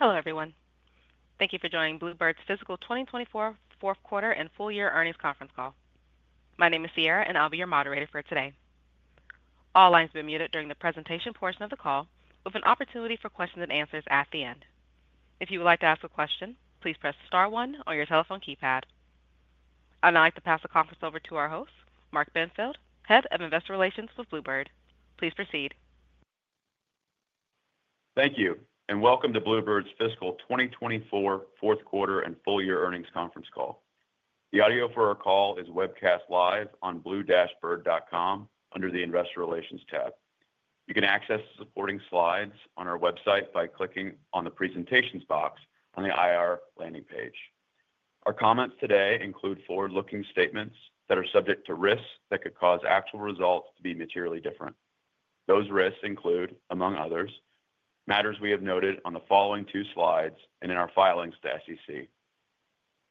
Hello, everyone. Thank you for joining Blue Bird's Fiscal 2024 Fourth Quarter and Full Year Earnings Conference Call. My name is Sierra, and I'll be your moderator for today. All lines have been muted during the presentation portion of the call, with an opportunity for questions and answers at the end. If you would like to ask a question, please press star one on your telephone keypad. I'd now like to pass the conference over to our host, Mark Benfield, Head of Investor Relations with Blue Bird. Please proceed. Thank you, and welcome to Blue Bird's fiscal 2024 fourth quarter and full year earnings conference call. The audio for our call is webcast live on blue-bird.com under the investor relations tab. You can access the supporting slides on our website by clicking on the presentations box on the IR landing page. Our comments today include forward-looking statements that are subject to risks that could cause actual results to be materially different. Those risks include, among others, matters we have noted on the following two slides and in our filings to SEC.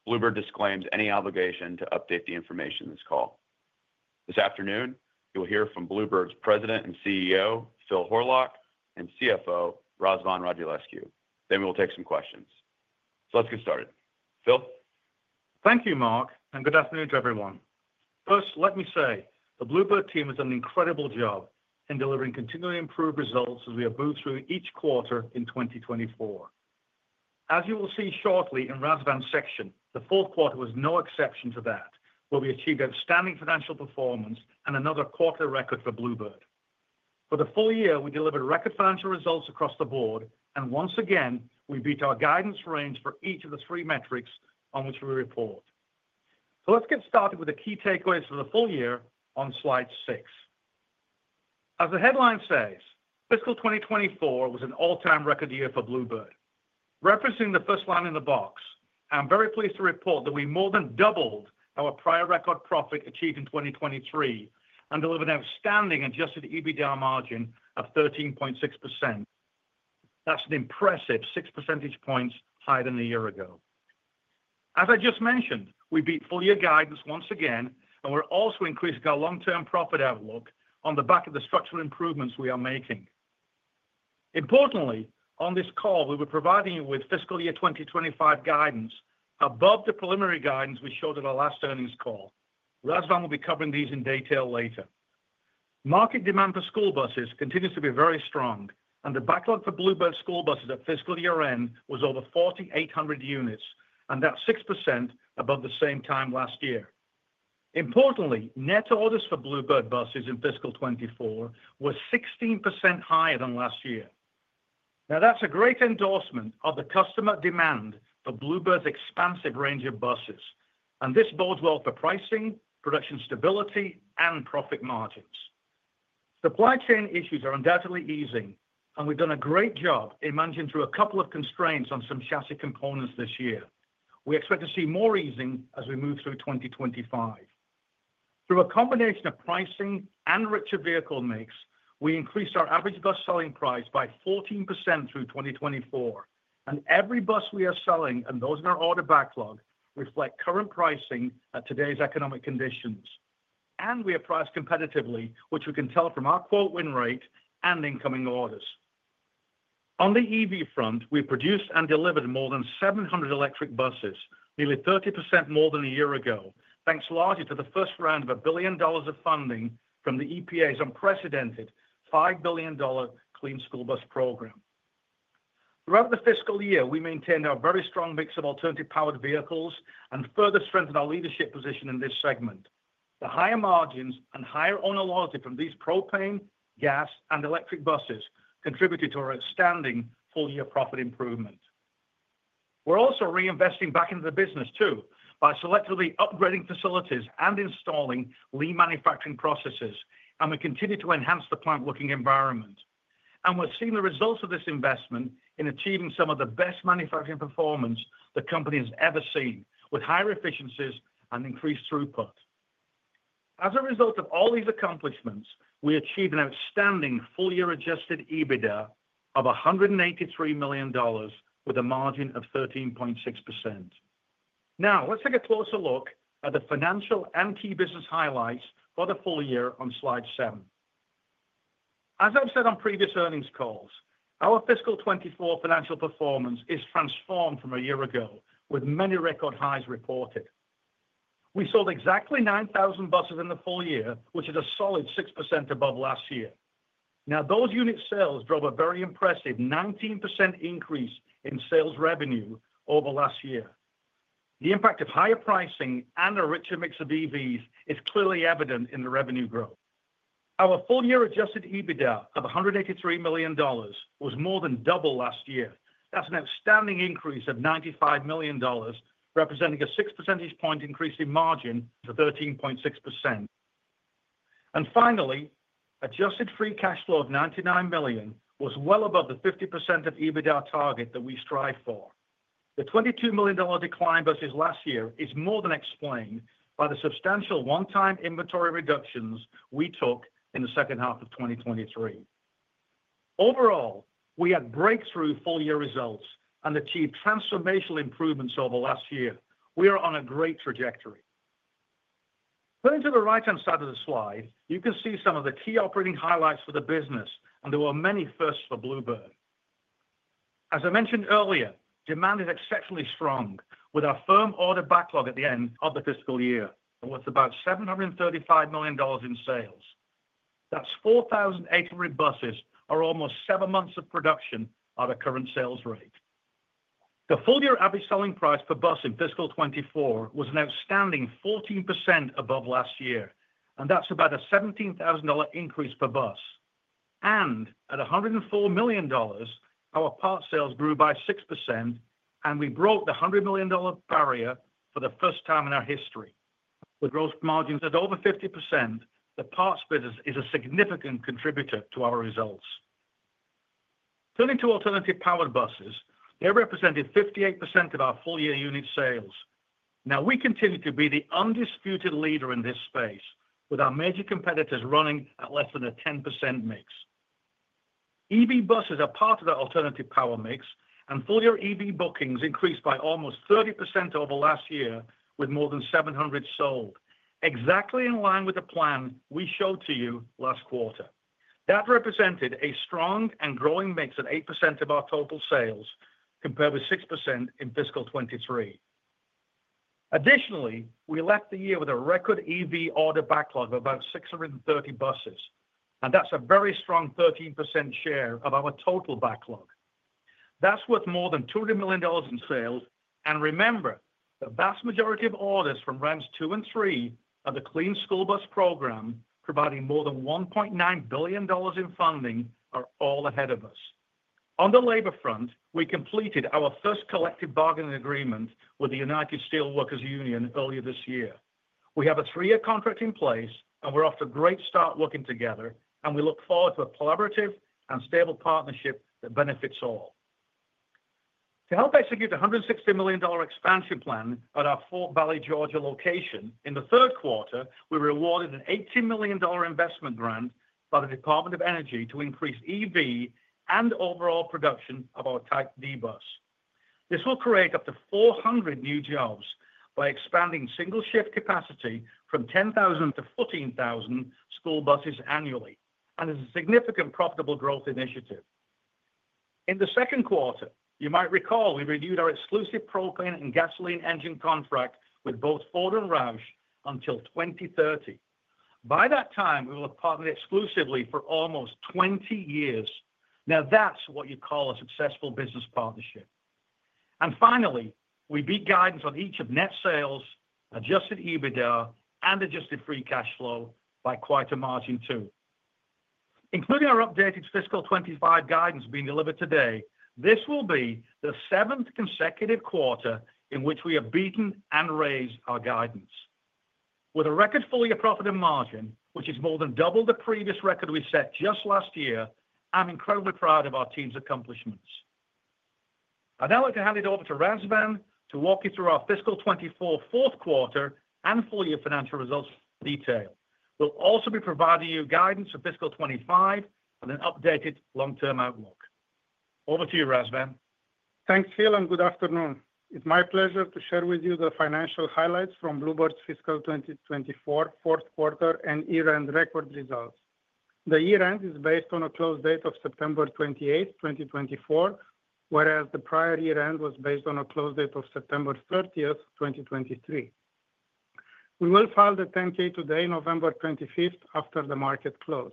Blue Bird disclaims any obligation to update the information in this call. This afternoon, you'll hear from Blue Bird's President and CEO; Phil Horlock, and CFO; Razvan Radulescu. Then we will take some questions. So let's get started. Phil. Thank you, Mark, and good afternoon to everyone. First, let me say the Blue Bird team has done an incredible job in delivering continually improved results as we have moved through each quarter in 2024. As you will see shortly in Razvan's section, the fourth quarter was no exception to that, where we achieved outstanding financial performance and another quarterly record for Blue Bird. For the full year, we delivered record financial results across the board, and once again, we beat our guidance range for each of the three metrics on which we report. So let's get started with the key takeaways for the full year on slide six. As the headline says, fiscal 2024 was an all-time record year for Blue Bird. Referencing the first line in the box, I'm very pleased to report that we more than doubled our prior record profit achieved in 2023 and delivered an outstanding adjusted EBITDA margin of 13.6%. That's an impressive six percentage points higher than a year ago. As I just mentioned, we beat full year guidance once again, and we're also increasing our long-term profit outlook on the back of the structural improvements we are making. Importantly, on this call, we were providing you with fiscal year 2025 guidance above the preliminary guidance we showed at our last earnings call. Razvan will be covering these in detail later. Market demand for school buses continues to be very strong, and the backlog for Blue Bird school buses at fiscal year-end was over 4,800 units, and that's 6% above the same time last year. Importantly, net orders for Blue Bird buses in fiscal 2024 were 16% higher than last year. Now, that's a great endorsement of the customer demand for Blue Bird's expansive range of buses, and this bodes well for pricing, production stability, and profit margins. Supply chain issues are undoubtedly easing, and we've done a great job in managing through a couple of constraints on some chassis components this year. We expect to see more easing as we move through 2025. Through a combination of pricing and richer vehicle mix, we increased our average bus selling price by 14% through 2024, and every bus we are selling and those in our order backlog reflect current pricing at today's economic conditions, and we are priced competitively, which we can tell from our quote win rate and incoming orders. On the EV front, we produced and delivered more than 700 electric buses, nearly 30% more than a year ago, thanks largely to the first round of $1 billion of funding from the EPA's unprecedented $5 billion Clean School Bus Program. Throughout the fiscal year, we maintained our very strong mix of alternative powered vehicles and further strengthened our leadership position in this segment. The higher margins and higher owner loyalty from these propane, gas, and electric buses contributed to our outstanding full year profit improvement. We're also reinvesting back into the business too by selectively upgrading facilities and installing lean manufacturing processes, and we continue to enhance the plant floor environment, and we're seeing the results of this investment in achieving some of the best manufacturing performance the company has ever seen, with higher efficiencies and increased throughput. As a result of all these accomplishments, we achieved an outstanding full-year Adjusted EBITDA of $183 million with a margin of 13.6%. Now, let's take a closer look at the financial and key business highlights for the full year on slide seven. As I've said on previous earnings calls, our fiscal 2024 financial performance is transformed from a year ago, with many record highs reported. We sold exactly 9,000 buses in the full year, which is a solid 6% above last year. Now, those unit sales drove a very impressive 19% increase in sales revenue over last year. The impact of higher pricing and a richer mix of EVs is clearly evident in the revenue growth. Our full-year Adjusted EBITDA of $183 million was more than double last year. That's an outstanding increase of $95 million, representing a 6 percentage point increase in margin to 13.6%. Finally, adjusted free cash flow of $99 million was well above the 50% of EBITDA target that we strive for. The $22 million decline versus last year is more than explained by the substantial one-time inventory reductions we took in the second half of 2023. Overall, we had breakthrough full year results and achieved transformational improvements over last year. We are on a great trajectory. Turning to the right-hand side of the slide, you can see some of the key operating highlights for the business, and there were many firsts for Blue Bird. As I mentioned earlier, demand is exceptionally strong, with our firm order backlog at the end of the fiscal year of about $735 million in sales. That's 4,800 buses, or almost seven months of production, our current sales rate. The full year average selling price per bus in fiscal 2024 was an outstanding 14% above last year, and that's about a $17,000 increase per bus, and at $104 million, our parts sales grew by 6%, and we broke the $100 million barrier for the first time in our history. With gross margins at over 50%, the parts business is a significant contributor to our results. Turning to alternative powered buses, they represented 58% of our full year unit sales. Now, we continue to be the undisputed leader in this space, with our major competitors running at less than a 10% mix. EV buses are part of the alternative power mix, and full year EV bookings increased by almost 30% over last year, with more than 700 sold, exactly in line with the plan we showed to you last quarter. That represented a strong and growing mix of 8% of our total sales, compared with 6% in fiscal 2023. Additionally, we left the year with a record EV order backlog of about 630 buses, and that's a very strong 13% share of our total backlog. That's worth more than $200 million in sales. And remember, the vast majority of orders from rounds two and three of the Clean School Bus Program, providing more than $1.9 billion in funding, are all ahead of us. On the labor front, we completed our first collective bargaining agreement with the United Steelworkers union earlier this year. We have a three-year contract in place, and we're off to a great start working together, and we look forward to a collaborative and stable partnership that benefits all. To help execute the $160 million expansion plan at our Fort Valley, Georgia location, in the third quarter, we were awarded an $18 million investment grant by the Department of Energy to increase EV and overall production of our Type D bus. This will create up to 400 new jobs by expanding single-shift capacity from 10,000 to 14,000 school buses annually, and it's a significant profitable growth initiative. In the second quarter, you might recall we renewed our exclusive propane and gasoline engine contract with both Ford and Roush until 2030. By that time, we will have partnered exclusively for almost 20 years. Now, that's what you call a successful business partnership. And finally, we beat guidance on each of net sales, Adjusted EBITDA, and Adjusted Free Cash Flow by quite a margin too. Including our updated fiscal 2025 guidance being delivered today, this will be the seventh consecutive quarter in which we have beaten and raised our guidance. With a record full year profit and margin, which is more than double the previous record we set just last year, I'm incredibly proud of our team's accomplishments. I'd now like to hand it over to Razvan to walk you through our fiscal 2024 fourth quarter and full year financial results in detail. We'll also be providing you guidance for fiscal 2025 and an updated long-term outlook. Over to you, Razvan. Thanks, Phil, and good afternoon. It's my pleasure to share with you the financial highlights from Blue Bird's fiscal 2024 fourth quarter and year-end record results. The year-end is based on a close date of September 28, 2024, whereas the prior year-end was based on a close date of September 30, 2023. We will file the 10-K today, November 25, after the market close.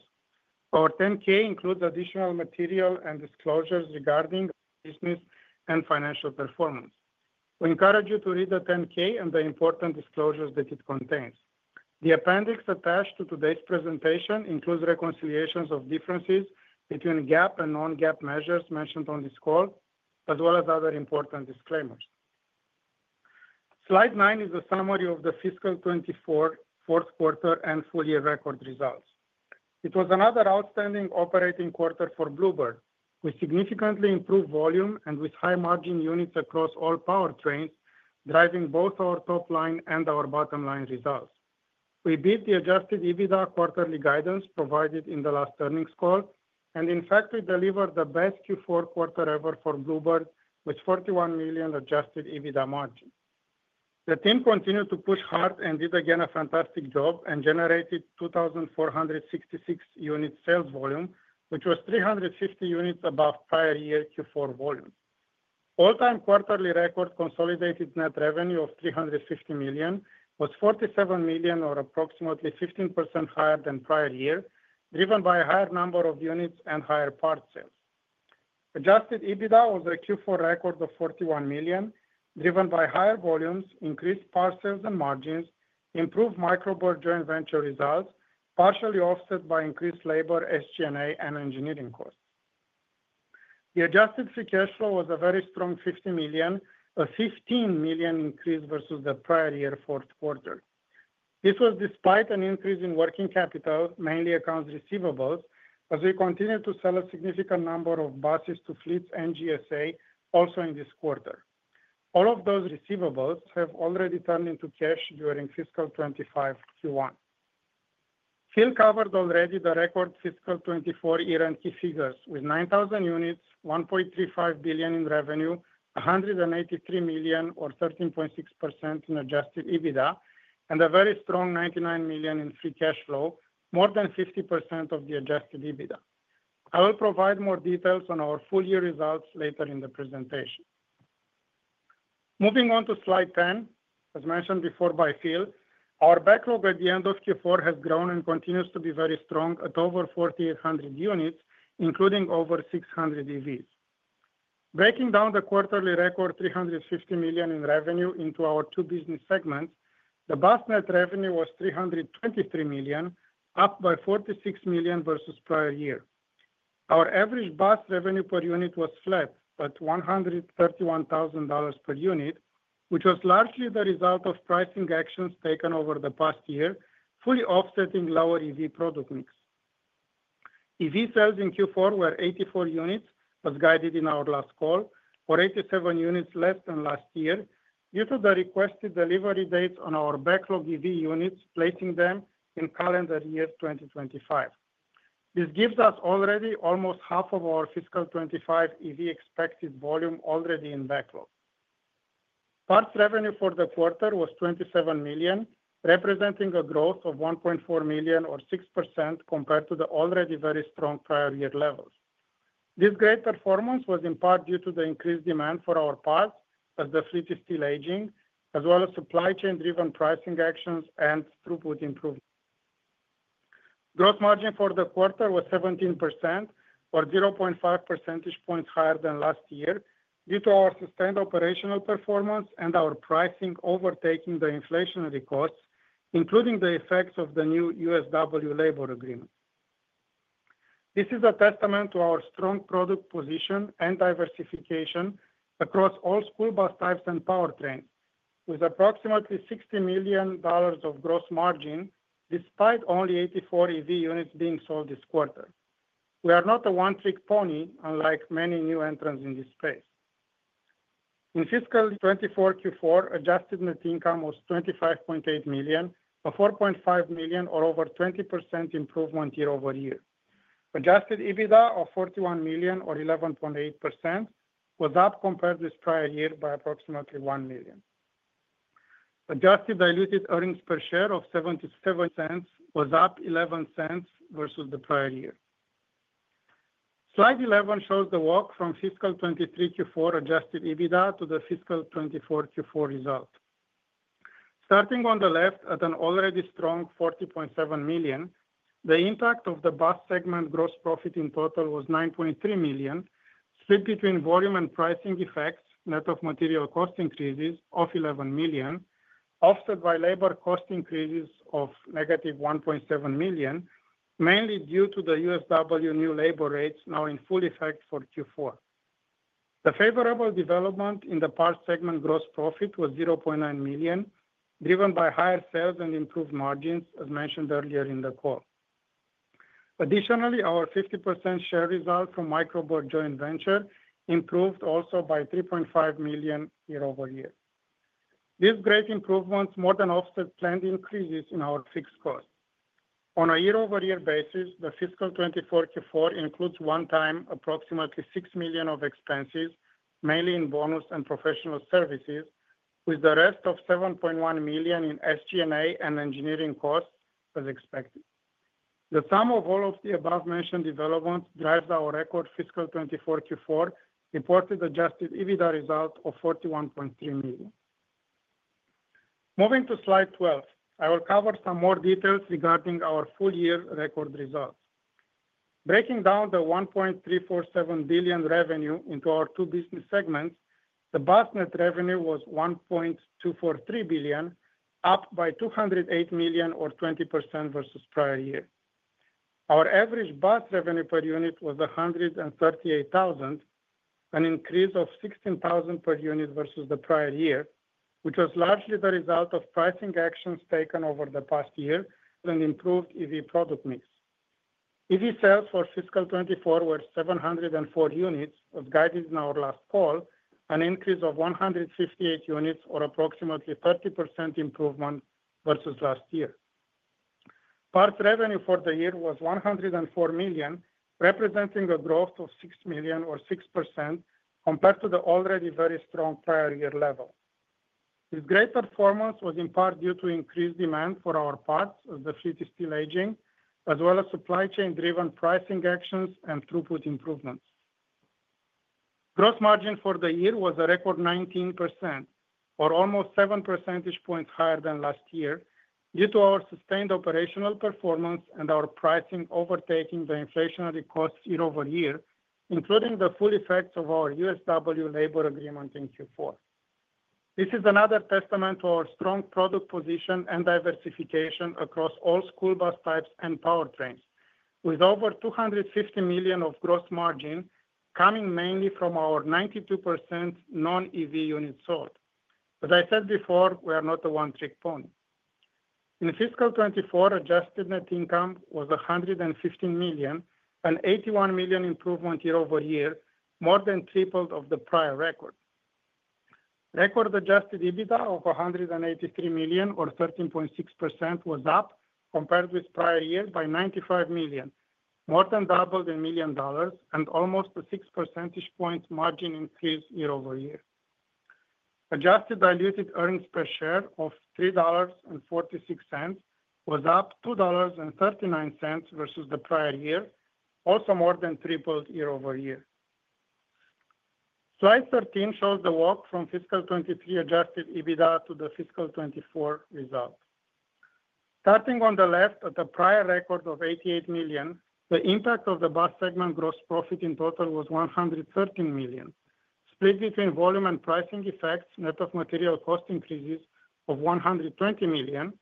Our 10-K includes additional material and disclosures regarding business and financial performance. We encourage you to read the 10-K and the important disclosures that it contains. The appendix attached to today's presentation includes reconciliations of differences between GAAP and non-GAAP measures mentioned on this call, as well as other important disclaimers. Slide nine is a summary of the fiscal 24 fourth quarter and full year record results. It was another outstanding operating quarter for Blue Bird, with significantly improved volume and with high-margin units across all powertrains, driving both our top line and our bottom line results. We beat the adjusted EBITDA quarterly guidance provided in the last earnings call, and in fact, we delivered the best Q4 quarter ever for Blue Bird, with $41 million adjusted EBITDA margin. The team continued to push hard and did again a fantastic job and generated 2,466 units sales volume, which was 350 units above prior year Q4 volume. All-time quarterly record consolidated net revenue of $350 million was $47 million, or approximately 15% higher than prior year, driven by a higher number of units and higher parts sales. Adjusted EBITDA was a Q4 record of $41 million, driven by higher volumes, increased part sales and margins, improved Micro Bird joint venture results, partially offset by increased labor, SG&A, and engineering costs. The adjusted free cash flow was a very strong $50 million, a $15 million increase versus the prior year fourth quarter. This was despite an increase in working capital, mainly accounts receivables, as we continued to sell a significant number of buses to fleets and GSA also in this quarter. All of those receivables have already turned into cash during fiscal 2025 Q1. Phil covered already the record fiscal 2024 year-end key figures, with 9,000 units, $1.35 billion in revenue, $183 million, or 13.6% in adjusted EBITDA, and a very strong $99 million in free cash flow, more than 50% of the adjusted EBITDA. I will provide more details on our full year results later in the presentation. Moving on to slide 10, as mentioned before by Phil, our backlog at the end of Q4 has grown and continues to be very strong at over 4,800 units, including over 600 EVs. Breaking down the quarterly record $350 million in revenue into our two business segments, the bus net revenue was $323 million, up by $46 million versus prior year. Our average bus revenue per unit was flat at $131,000 per unit, which was largely the result of pricing actions taken over the past year, fully offsetting lower EV product mix. EV sales in Q4 were 84 units, as guided in our last call, or 87 units less than last year due to the requested delivery dates on our backlog EV units, placing them in calendar year 2025. This gives us already almost half of our fiscal 2025 EV expected volume already in backlog. Parts revenue for the quarter was $27 million, representing a growth of $1.4 million, or 6% compared to the already very strong prior year levels. This great performance was in part due to the increased demand for our parts, as the fleet is still aging, as well as supply chain-driven pricing actions and throughput improvement. Gross margin for the quarter was 17%, or 0.5 percentage points higher than last year due to our sustained operational performance and our pricing overtaking the inflationary costs, including the effects of the new USW labor agreement. This is a testament to our strong product position and diversification across all school bus types and powertrains, with approximately $60 million of gross margin despite only 84 EV units being sold this quarter. We are not a one-trick pony, unlike many new entrants in this space. In fiscal 2024 Q4, adjusted net income was $25.8 million, a $4.5 million, or over 20% improvement year over year. Adjusted EBITDA of $41 million, or 11.8%, was up compared with prior year by approximately one million. Adjusted diluted earnings per share of $0.77 was up $0.11 versus the prior year. Slide 11 shows the walk from fiscal 2023 Q4 adjusted EBITDA to the fiscal 2024 Q4 result. Starting on the left at an already strong $40.7 million, the impact of the bus segment gross profit in total was $9.3 million, split between volume and pricing effects, net of material cost increases of $11 million, offset by labor cost increases of negative $1.7 million, mainly due to the USW new labor rates now in full effect for Q4. The favorable development in the parts segment gross profit was $0.9 million, driven by higher sales and improved margins, as mentioned earlier in the call. Additionally, our 50% share result from Micro Bird Joint Venture improved also by $3.5 million year-over-year. These great improvements more than offset planned increases in our fixed costs. On a year-over-year basis, the fiscal 24 Q4 includes one-time approximately $6 million of expenses, mainly in bonus and professional services, with the rest of $7.1 million in SG&A and engineering costs, as expected. The sum of all of the above-mentioned developments drives our record fiscal 24 Q4 reported Adjusted EBITDA result of $41.3 million. Moving to slide 12, I will cover some more details regarding our full year record results. Breaking down the $1.347 billion revenue into our two business segments, the bus net revenue was $1.243 billion, up by $208 million, or 20% versus prior year. Our average bus revenue per unit was $138,000, an increase of $16,000 per unit versus the prior year, which was largely the result of pricing actions taken over the past year and improved EV product mix. EV sales for fiscal 2024 were 704 units, as guided in our last call, an increase of 158 units, or approximately 30% improvement versus last year. Parts revenue for the year was $104 million, representing a growth of $6 million, or 6%, compared to the already very strong prior year level. This great performance was in part due to increased demand for our parts, as the fleet is still aging, as well as supply chain-driven pricing actions and throughput improvements. Gross margin for the year was a record 19%, or almost 7 percentage points higher than last year due to our sustained operational performance and our pricing overtaking the inflationary costs year over year, including the full effects of our USW labor agreement in Q4. This is another testament to our strong product position and diversification across all school bus types and powertrains, with over $250 million of gross margin coming mainly from our 92% non-EV units sold. As I said before, we are not a one-trick pony. In fiscal 2024, adjusted net income was $115 million, an $81 million improvement year over year, more than tripled of the prior record. Record adjusted EBITDA of $183 million, or 13.6%, was up compared with prior year by $95 million, more than double the million dollars, and almost a 6 percentage point margin increase year over year. Adjusted Diluted Earnings Per Share of $3.46 was up $2.39 versus the prior year, also more than tripled year over year. Slide 13 shows the walk from fiscal 2023 Adjusted EBITDA to the fiscal 2024 result. Starting on the left at a prior record of $88 million, the impact of the bus segment gross profit in total was $113 million, split between volume and pricing effects, net of material cost increases of $120 million,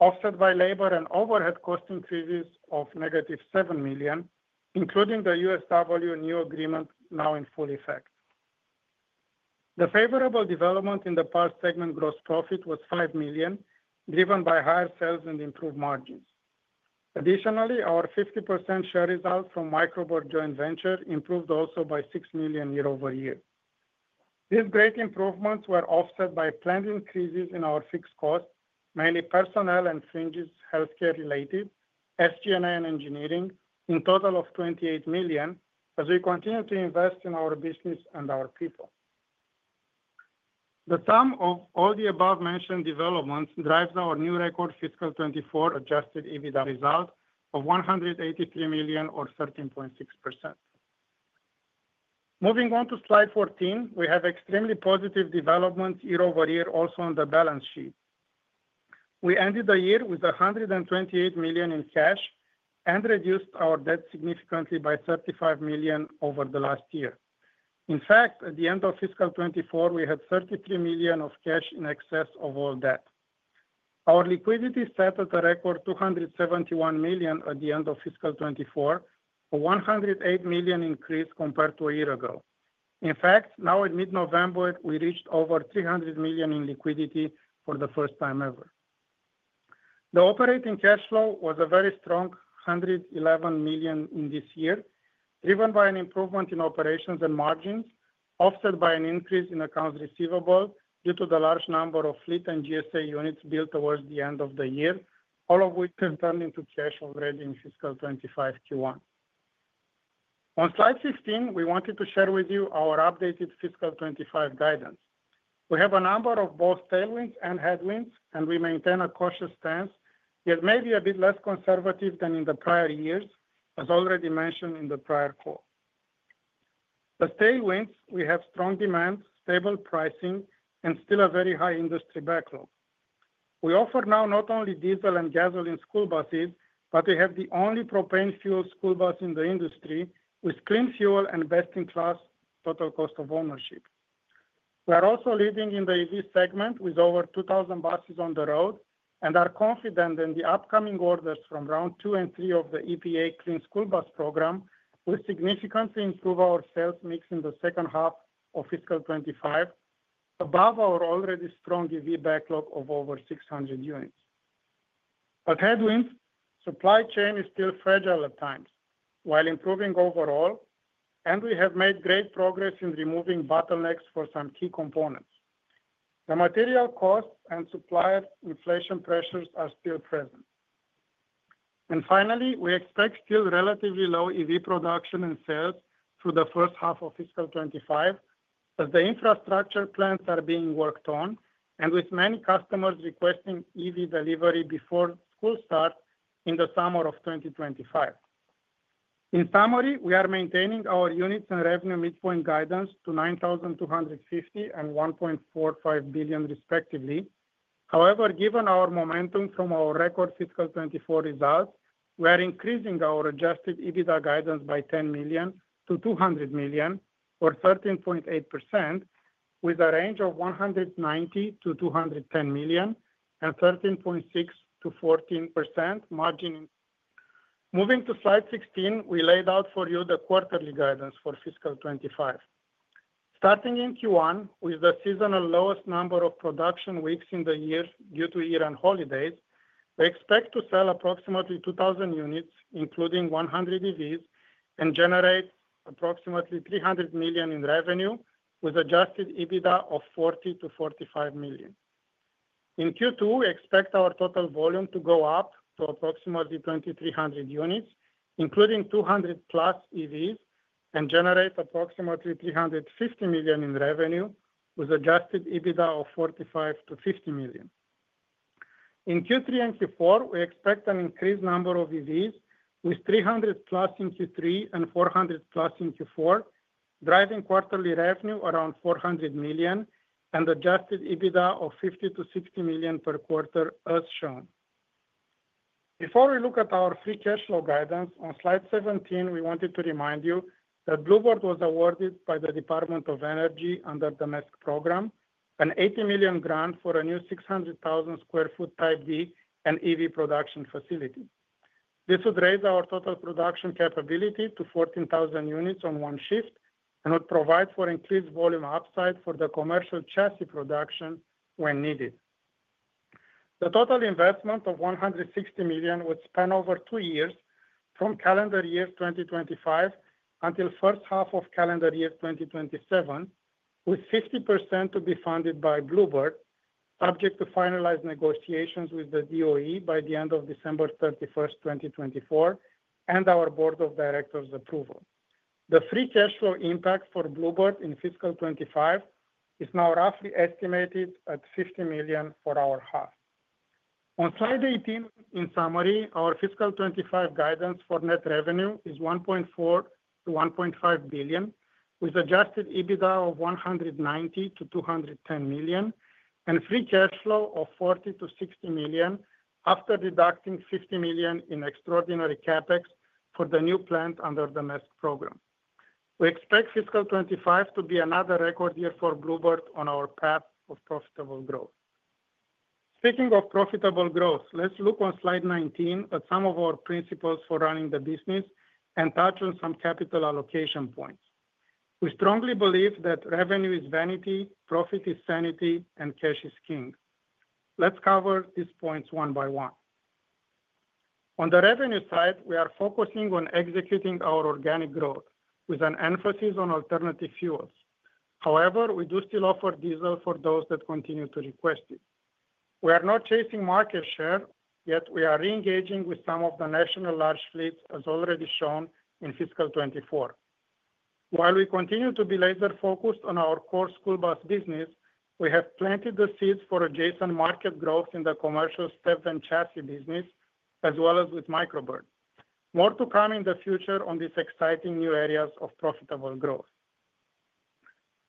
offset by labor and overhead cost increases of negative $7 million, including the USW new agreement now in full effect. The favorable development in the parts segment gross profit was $5 million, driven by higher sales and improved margins. Additionally, our 50% share result from Micro Bird Joint Venture improved also by $6 million year over year. These great improvements were offset by planned increases in our fixed costs, mainly personnel and fringes healthcare related, SG&A and engineering, in total of $28 million, as we continue to invest in our business and our people. The sum of all the above-mentioned developments drives our new record fiscal 2024 adjusted EBITDA result of $183 million, or 13.6%. Moving on to slide 14, we have extremely positive developments year over year, also on the balance sheet. We ended the year with $128 million in cash and reduced our debt significantly by $35 million over the last year. In fact, at the end of fiscal 2024, we had $33 million of cash in excess of all debt. Our liquidity set at a record $271 million at the end of fiscal 2024, a $108 million increase compared to a year ago. In fact, now in mid-November, we reached over $300 million in liquidity for the first time ever. The operating cash flow was a very strong $111 million in this year, driven by an improvement in operations and margins, offset by an increase in accounts receivable due to the large number of fleet and GSA units built towards the end of the year, all of which have turned into cash already in fiscal 2025 Q1. On slide 16, we wanted to share with you our updated fiscal 2025 guidance. We have a number of both tailwinds and headwinds, and we maintain a cautious stance, yet maybe a bit less conservative than in the prior years, as already mentioned in the prior call. As tailwinds, we have strong demand, stable pricing, and still a very high industry backlog. We offer now not only diesel and gasoline school buses, but we have the only propane-fueled school bus in the industry with clean fuel and best-in-class total cost of ownership. We are also leading in the EV segment with over 2,000 buses on the road and are confident that the upcoming orders from round two and three of the EPA Clean School Bus Program will significantly improve our sales mix in the second half of fiscal 25, above our already strong EV backlog of over 600 units. But headwinds, supply chain is still fragile at times. While improving overall, and we have made great progress in removing bottlenecks for some key components. The material costs and supplier inflation pressures are still present. Finally, we expect still relatively low EV production and sales through the first half of fiscal 2025, as the infrastructure plans are being worked on and with many customers requesting EV delivery before school start in the summer of 2025. In summary, we are maintaining our units and revenue midpoint guidance to 9,250 and $1.45 billion, respectively. However, given our momentum from our record fiscal 2024 results, we are increasing our Adjusted EBITDA guidance by $10 million to $200 million, or 13.8%, with a range of $190 million-$210 million and 13.6%-14% margin. Moving to slide 16, we laid out for you the quarterly guidance for fiscal 2025. Starting in Q1, with the seasonal lowest number of production weeks in the year due to year-end holidays, we expect to sell approximately 2,000 units, including 100 EVs, and generate approximately $300 million in revenue with Adjusted EBITDA of $40-45 million. In Q2, we expect our total volume to go up to approximately 2,300 units, including 200-plus EVs, and generate approximately $350 million in revenue with Adjusted EBITDA of $45-50 million. In Q3 and Q4, we expect an increased number of EVs, with 300-plus in Q3 and 400-plus in Q4, driving quarterly revenue around $400 million and Adjusted EBITDA of $50-60 million per quarter, as shown. Before we look at our free cash flow guidance, on slide 17, we wanted to remind you that Blue Bird was awarded by the Department of Energy under the MESC program an $80 million grant for a new 600,000 sq ft Type D and EV production facility. This would raise our total production capability to 14,000 units on one shift and would provide for increased volume upside for the commercial chassis production when needed. The total investment of $160 million would span over two years from calendar year 2025 until first half of calendar year 2027, with 50% to be funded by Blue Bird, subject to finalized negotiations with the DOE by the end of December 31, 2024, and our Board of Directors' approval. The free cash flow impact for Blue Bird in fiscal 25 is now roughly estimated at $50 million for our half. On slide 18, in summary, our fiscal 2025 guidance for net revenue is $1.4-$1.5 billion, with adjusted EBITDA of $190-$210 million, and free cash flow of $40-$60 million after deducting $50 million in extraordinary CapEx for the new plant under the MESC program. We expect fiscal 2025 to be another record year for Blue Bird on our path of profitable growth. Speaking of profitable growth, let's look on slide 19 at some of our principles for running the business and touch on some capital allocation points. We strongly believe that revenue is vanity, profit is sanity, and cash is king. Let's cover these points one by one. On the revenue side, we are focusing on executing our organic growth with an emphasis on alternative fuels. However, we do still offer diesel for those that continue to request it. We are not chasing market share, yet we are re-engaging with some of the national large fleets, as already shown in fiscal 2024. While we continue to be laser-focused on our core school bus business, we have planted the seeds for adjacent market growth in the commercial step and chassis business, as well as with Micro Bird. More to come in the future on these exciting new areas of profitable growth.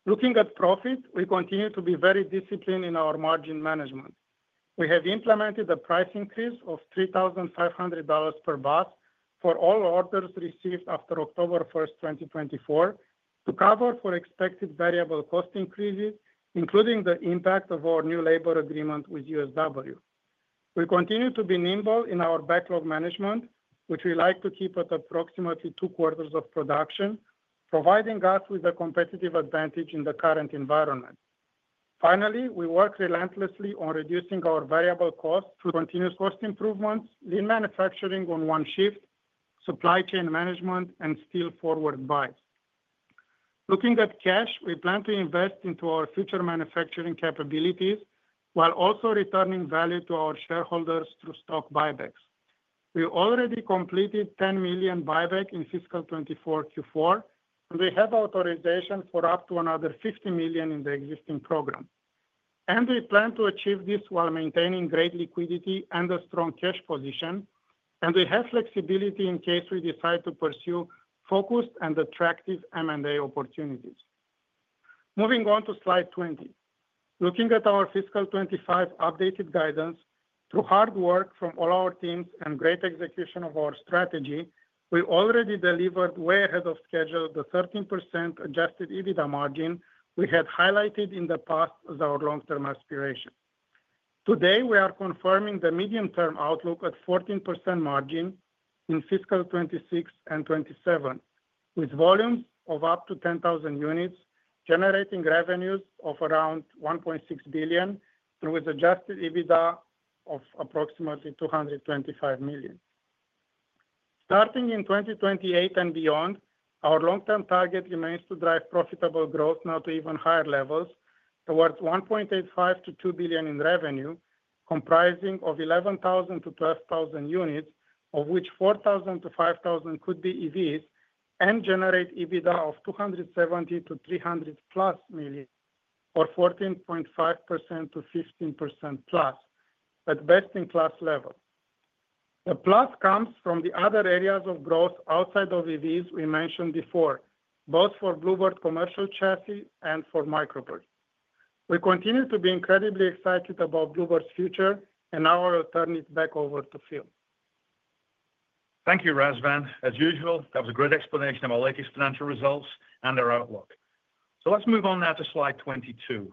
Looking at profit, we continue to be very disciplined in our margin management. We have implemented a price increase of $3,500 per bus for all orders received after October 1, 2024, to cover for expected variable cost increases, including the impact of our new labor agreement with USW. We continue to be nimble in our backlog management, which we like to keep at approximately two quarters of production, providing us with a competitive advantage in the current environment. Finally, we work relentlessly on reducing our variable costs through continuous cost improvements, lean manufacturing on one shift, supply chain management, and steel forward buys. Looking at cash, we plan to invest into our future manufacturing capabilities while also returning value to our shareholders through stock buybacks. We already completed $10 million buyback in fiscal 2024 Q4, and we have authorization for up to another $50 million in the existing program, and we plan to achieve this while maintaining great liquidity and a strong cash position, and we have flexibility in case we decide to pursue focused and attractive M&A opportunities. Moving on to slide 20, looking at our fiscal 2025 updated guidance, through hard work from all our teams and great execution of our strategy, we already delivered way ahead of schedule the 13% adjusted EBITDA margin we had highlighted in the past as our long-term aspiration. Today, we are confirming the medium-term outlook at 14% margin in fiscal 2026 and 2027, with volumes of up to 10,000 units generating revenues of around $1.6 billion and with adjusted EBITDA of approximately $225 million. Starting in 2028 and beyond, our long-term target remains to drive profitable growth now to even higher levels towards $1.85-$2 billion in revenue, comprising of 11,000 to 12,000 units, of which 4,000 to 5,000 could be EVs and generate EBITDA of $270-$300-plus million, or 14.5%-15% plus, at best-in-class level. The plus comes from the other areas of growth outside of EVs we mentioned before, both for Blue Bird Commercial Chassis and for Micro Bird. We continue to be incredibly excited about Blue Bird's future, and now I'll turn it back over to Phil. Thank you, Razvan. As usual, that was a great explanation of our latest exponential results and our outlook. So let's move on now to slide 22.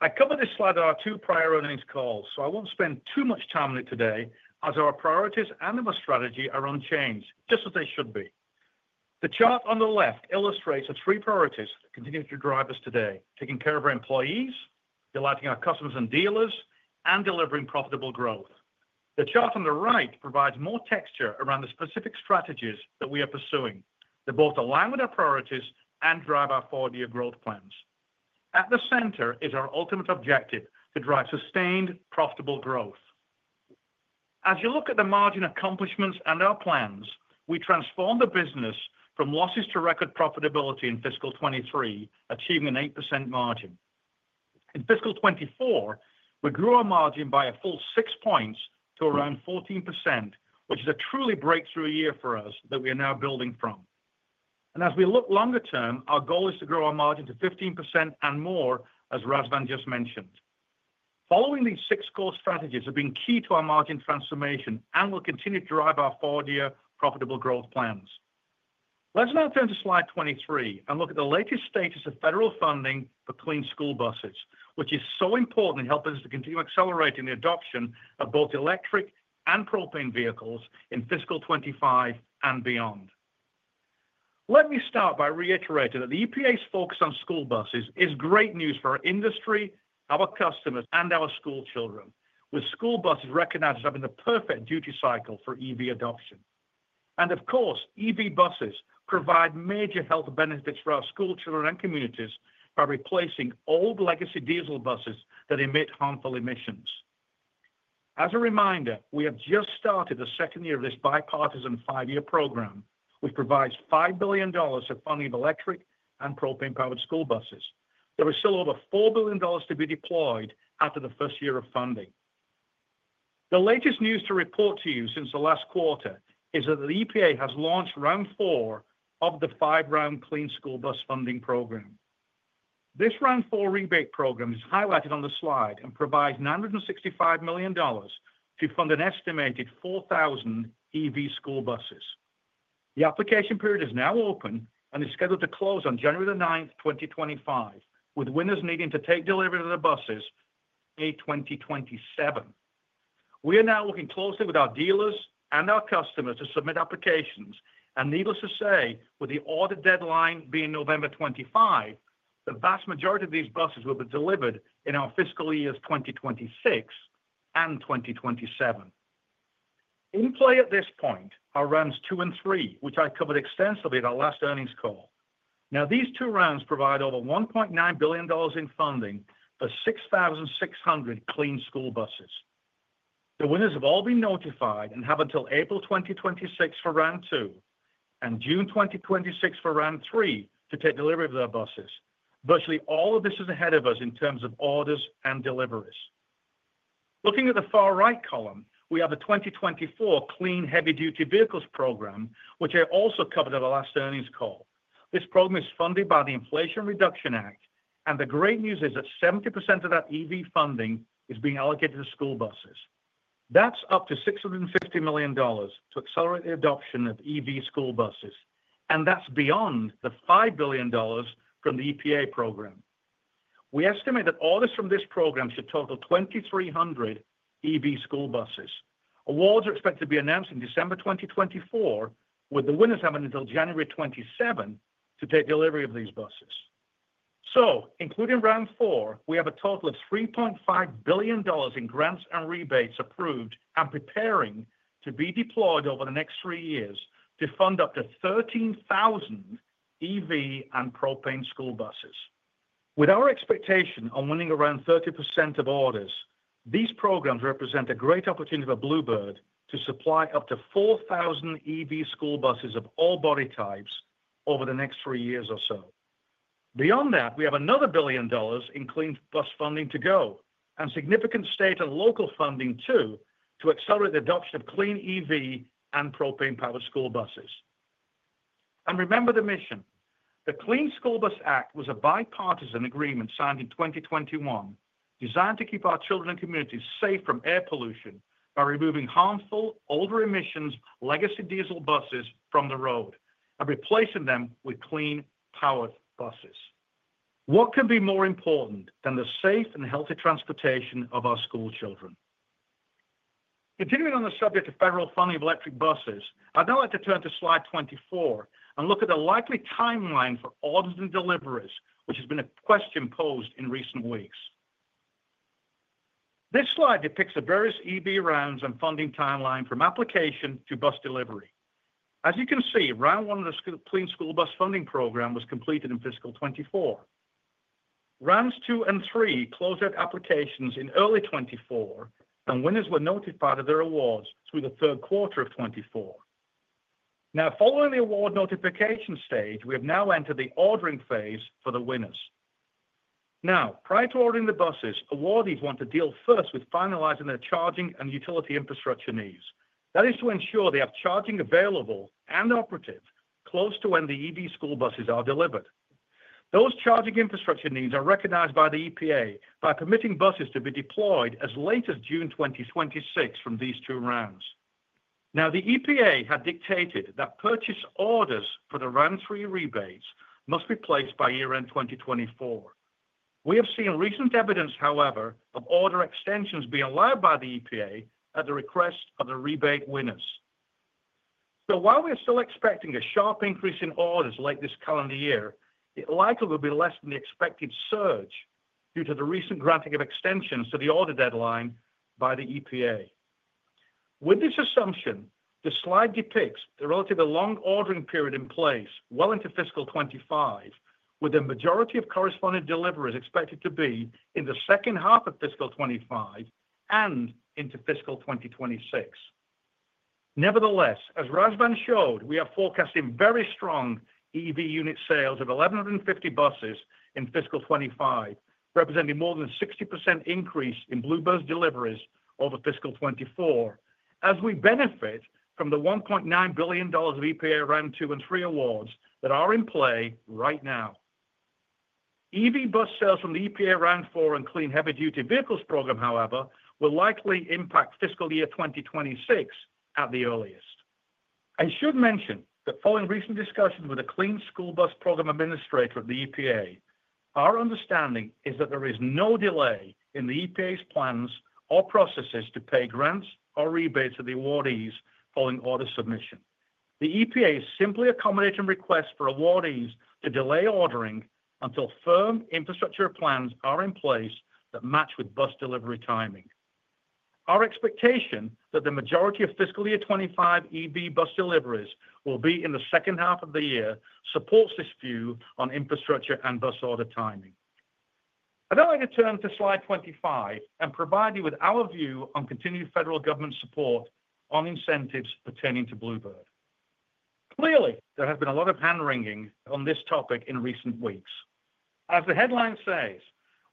I covered this slide in our two prior earnings calls, so I won't spend too much time on it today, as our priorities and our strategy are unchanged, just as they should be. The chart on the left illustrates the three priorities that continue to drive us today: taking care of our employees, delighting our customers and dealers, and delivering profitable growth. The chart on the right provides more texture around the specific strategies that we are pursuing that both align with our priorities and drive our four-year growth plans. At the center is our ultimate objective: to drive sustained profitable growth. As you look at the margin accomplishments and our plans, we transformed the business from losses to record profitability in fiscal 2023, achieving an 8% margin. In fiscal 2024, we grew our margin by a full six points to around 14%, which is a truly breakthrough year for us that we are now building from, and as we look longer term, our goal is to grow our margin to 15% and more, as Razvan just mentioned. Following these six core strategies have been key to our margin transformation and will continue to drive our four-year profitable growth plans. Let's now turn to slide 23 and look at the latest status of federal funding for clean school buses, which is so important in helping us to continue accelerating the adoption of both electric and propane vehicles in fiscal 2025 and beyond. Let me start by reiterating that the EPA's focus on school buses is great news for our industry, our customers, and our school children, with school buses recognized as having the perfect duty cycle for EV adoption. And of course, EV buses provide major health benefits for our school children and communities by replacing old legacy diesel buses that emit harmful emissions. As a reminder, we have just started the second year of this bipartisan five-year program, which provides $5 billion to fund electric and propane-powered school buses. There is still over $4 billion to be deployed after the first year of funding. The latest news to report to you since the last quarter is that the EPA has launched round four of the five-round Clean School Bus funding program. This round four rebate program is highlighted on the slide and provides $965 million to fund an estimated 4,000 EV school buses. The application period is now open and is scheduled to close on January the 9th, 2025, with winners needing to take delivery of the buses May 2027. We are now working closely with our dealers and our customers to submit applications. Needless to say, with the award deadline being November 25, the vast majority of these buses will be delivered in our fiscal years 2026 and 2027. In play at this point are rounds two and three, which I covered extensively at our last earnings call. Now, these two rounds provide over $1.9 billion in funding for 6,600 clean school buses. The winners have all been notified and have until April 2026 for round two and June 2026 for round three to take delivery of their buses. Virtually all of this is ahead of us in terms of orders and deliveries. Looking at the far right column, we have the 2024 Clean Heavy-Duty Vehicles Program, which I also covered at our last earnings call. This program is funded by the Inflation Reduction Act, and the great news is that 70% of that EV funding is being allocated to school buses. That's up to $650 million to accelerate the adoption of EV school buses, and that's beyond the $5 billion from the EPA program. We estimate that orders from this program should total 2,300 EV school buses. Awards are expected to be announced in December 2024, with the winners having until January 27 to take delivery of these buses. Including round four, we have a total of $3.5 billion in grants and rebates approved and preparing to be deployed over the next three years to fund up to 13,000 EV and propane school buses. With our expectation on winning around 30% of orders, these programs represent a great opportunity for Blue Bird to supply up to 4,000 EV school buses of all body types over the next three years or so. Beyond that, we have another $1 billion in clean bus funding to go and significant state and local funding too to accelerate the adoption of clean EV and propane-powered school buses. Remember the mission. The Clean School Bus Act was a bipartisan agreement signed in 2021 designed to keep our children and communities safe from air pollution by removing harmful, older emissions legacy diesel buses from the road and replacing them with clean powered buses. What can be more important than the safe and healthy transportation of our school children? Continuing on the subject of federal funding of electric buses, I'd now like to turn to slide 24 and look at the likely timeline for orders and deliveries, which has been a question posed in recent weeks. This slide depicts the various EV rounds and funding timeline from application to bus delivery. As you can see, round one of the Clean School Bus funding program was completed in fiscal 2024. Rounds two and three closed out applications in early 2024, and winners were notified of their awards through the third quarter of 2024. Now, following the award notification stage, we have now entered the ordering phase for the winners. Now, prior to ordering the buses, awardees want to deal first with finalizing their charging and utility infrastructure needs. That is to ensure they have charging available and operative close to when the EV school buses are delivered. Those charging infrastructure needs are recognized by the EPA by permitting buses to be deployed as late as June 2026 from these two rounds. Now, the EPA had dictated that purchase orders for the round three rebates must be placed by year-end 2024. We have seen recent evidence, however, of order extensions being allowed by the EPA at the request of the rebate winners. So while we are still expecting a sharp increase in orders late this calendar year, it likely will be less than the expected surge due to the recent granting of extensions to the order deadline by the EPA. With this assumption, the slide depicts the relatively long ordering period in place well into fiscal 2025, with the majority of corresponding deliveries expected to be in the second half of fiscal 2025 and into fiscal 2026. Nevertheless, as Razvan showed, we are forecasting very strong EV unit sales of 1,150 buses in fiscal 2025, representing more than a 60% increase in Blue Bird deliveries over fiscal 2024, as we benefit from the $1.9 billion of EPA round two and three awards that are in play right now. EV bus sales from the EPA round four and Clean Heavy-Duty Vehicles Program, however, will likely impact fiscal Year 2026 at the earliest. I should mention that following recent discussions with the Clean School Bus Program Administrator of the EPA, our understanding is that there is no delay in the EPA's plans or processes to pay grants or rebates to the awardees following order submission. The EPA is simply accommodating requests for awardees to delay ordering until firm infrastructure plans are in place that match with bus delivery timing. Our expectation that the majority of fiscal year 2025 EV bus deliveries will be in the second half of the year supports this view on infrastructure and bus order timing. I'd now like to turn to slide 25 and provide you with our view on continued federal government support on incentives pertaining to Blue Bird. Clearly, there has been a lot of hand-wringing on this topic in recent weeks. As the headline says,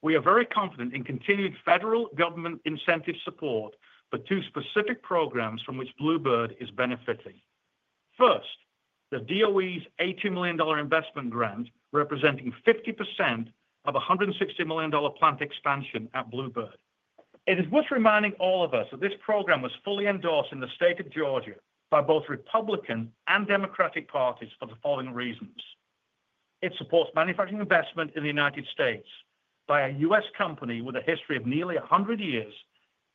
we are very confident in continued federal government incentive support for two specific programs from which Blue Bird is benefiting. First, the DOE's $80 million investment grant representing 50% of a $160 million plant expansion at Blue Bird. It is worth reminding all of us that this program was fully endorsed in the state of Georgia by both Republican and Democratic parties for the following reasons. It supports manufacturing investment in the United States by a U.S. company with a history of nearly 100 years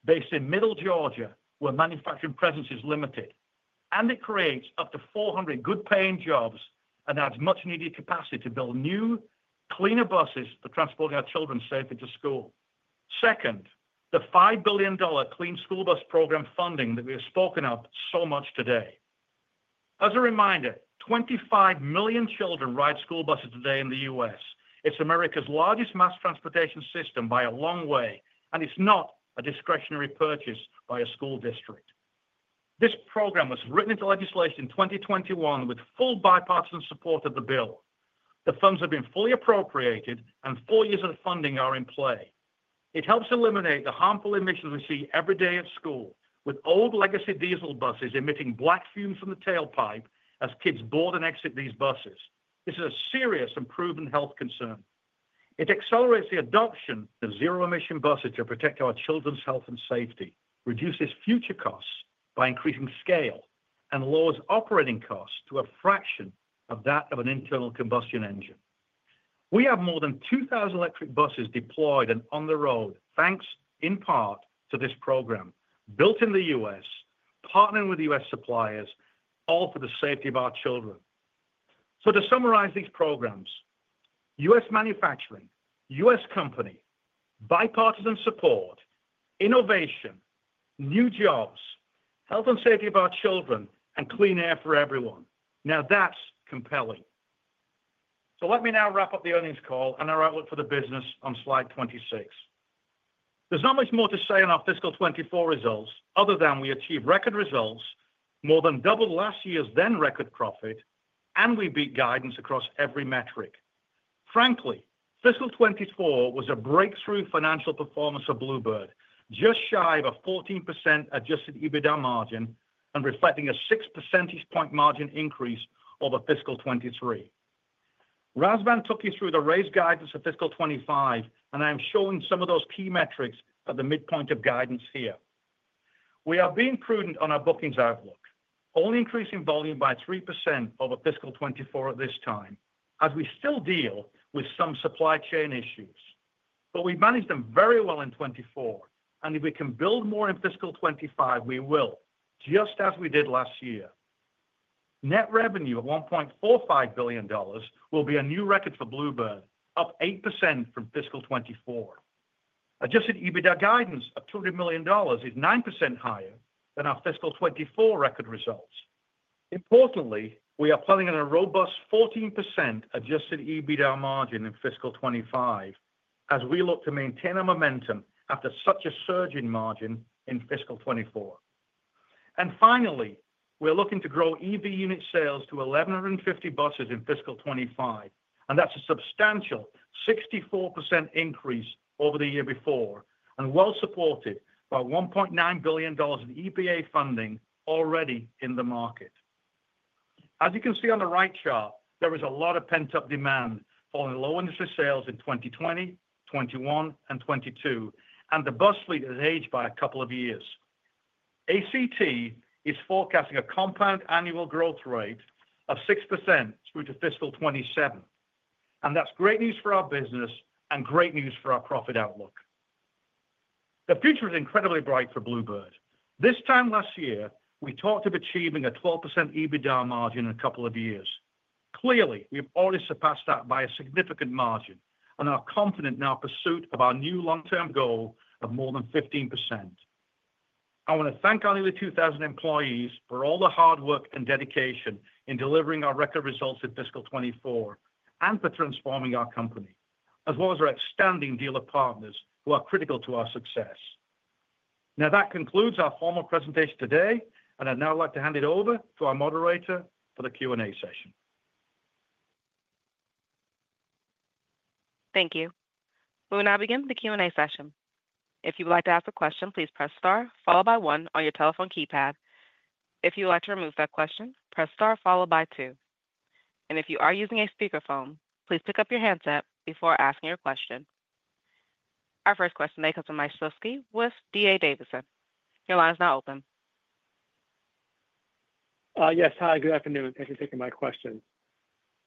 based in Middle Georgia, where manufacturing presence is limited, and it creates up to 400 good-paying jobs and adds much-needed capacity to build new, cleaner buses for transporting our children safely to school. Second, the $5 billion Clean School Bus program funding that we have spoken of so much today. As a reminder, 25 million children ride school buses today in the U.S.. It's America's largest mass transportation system by a long way, and it's not a discretionary purchase by a school district. This program was written into legislation in 2021 with full bipartisan support of the bill. The funds have been fully appropriated, and four years of funding are in play. It helps eliminate the harmful emissions we see every day at school, with old legacy diesel buses emitting black fumes from the tailpipe as kids board and exit these buses. This is a serious and proven health concern. It accelerates the adoption of zero-emission buses to protect our children's health and safety, reduces future costs by increasing scale, and lowers operating costs to a fraction of that of an internal combustion engine. We have more than 2,000 electric buses deployed and on the road, thanks in part to this program built in the U.S., partnering with US suppliers, all for the safety of our children. So to summarize these programs: US manufacturing, US company, bipartisan support, innovation, new jobs, health and safety of our children, and clean air for everyone. Now, that's compelling. So let me now wrap up the earnings call and our outlook for the business on slide 26. There's not much more to say on our fiscal 2024 results other than we achieved record results, more than doubled last year's then-record profit, and we beat guidance across every metric. Frankly, fiscal 2024 was a breakthrough financial performance for Blue Bird, just shy of a 14% adjusted EBITDA margin and reflecting a 6 percentage point margin increase over fiscal 2023. Razvan took you through the raised guidance for fiscal 2025, and I am showing some of those key metrics at the midpoint of guidance here. We are being prudent on our bookings outlook, only increasing volume by 3% over fiscal 2024 at this time, as we still deal with some supply chain issues. But we've managed them very well in fiscal 2024, and if we can build more in fiscal 2025, we will, just as we did last year. Net revenue of $1.45 billion will be a new record for Blue Bird, up 8% from fiscal 2024. Adjusted EBITDA guidance of $200 million is 9% higher than our fiscal 2024 record results. Importantly, we are planning on a robust 14% Adjusted EBITDA margin in fiscal 2025 as we look to maintain our momentum after such a surge in margin in fiscal 2024. And finally, we're looking to grow EV unit sales to 1,150 buses in fiscal 2025, and that's a substantial 64% increase over the year before and well supported by $1.9 billion of EPA funding already in the market. As you can see on the right chart, there is a lot of pent-up demand following low industry sales in 2020, 2021, and 2022, and the bus fleet has aged by a couple of years. ACT is forecasting a compound annual growth rate of 6% through to fiscal 2027, and that's great news for our business and great news for our profit outlook. The future is incredibly bright for Blue Bird. This time last year, we talked of achieving a 12% EBITDA margin in a couple of years. Clearly, we have already surpassed that by a significant margin, and we are confident in our pursuit of our new long-term goal of more than 15%. I want to thank our nearly 2,000 employees for all the hard work and dedication in delivering our record results in fiscal 24 and for transforming our company, as well as our outstanding dealer partners who are critical to our success. Now, that concludes our formal presentation today, and I'd now like to hand it over to our moderator for the Q&A session. Thank you. We will now begin the Q&A session. If you would like to ask a question, please press star followed by one on your telephone keypad. If you would like to remove that question, press star followed by two, and if you are using a speakerphone, please pick up your handset before asking your question. Our first question today comes from Mike Shlisky, with D.A. Davidson. Your line is now open. Yes. Hi. Good afternoon. Thank you for taking my question.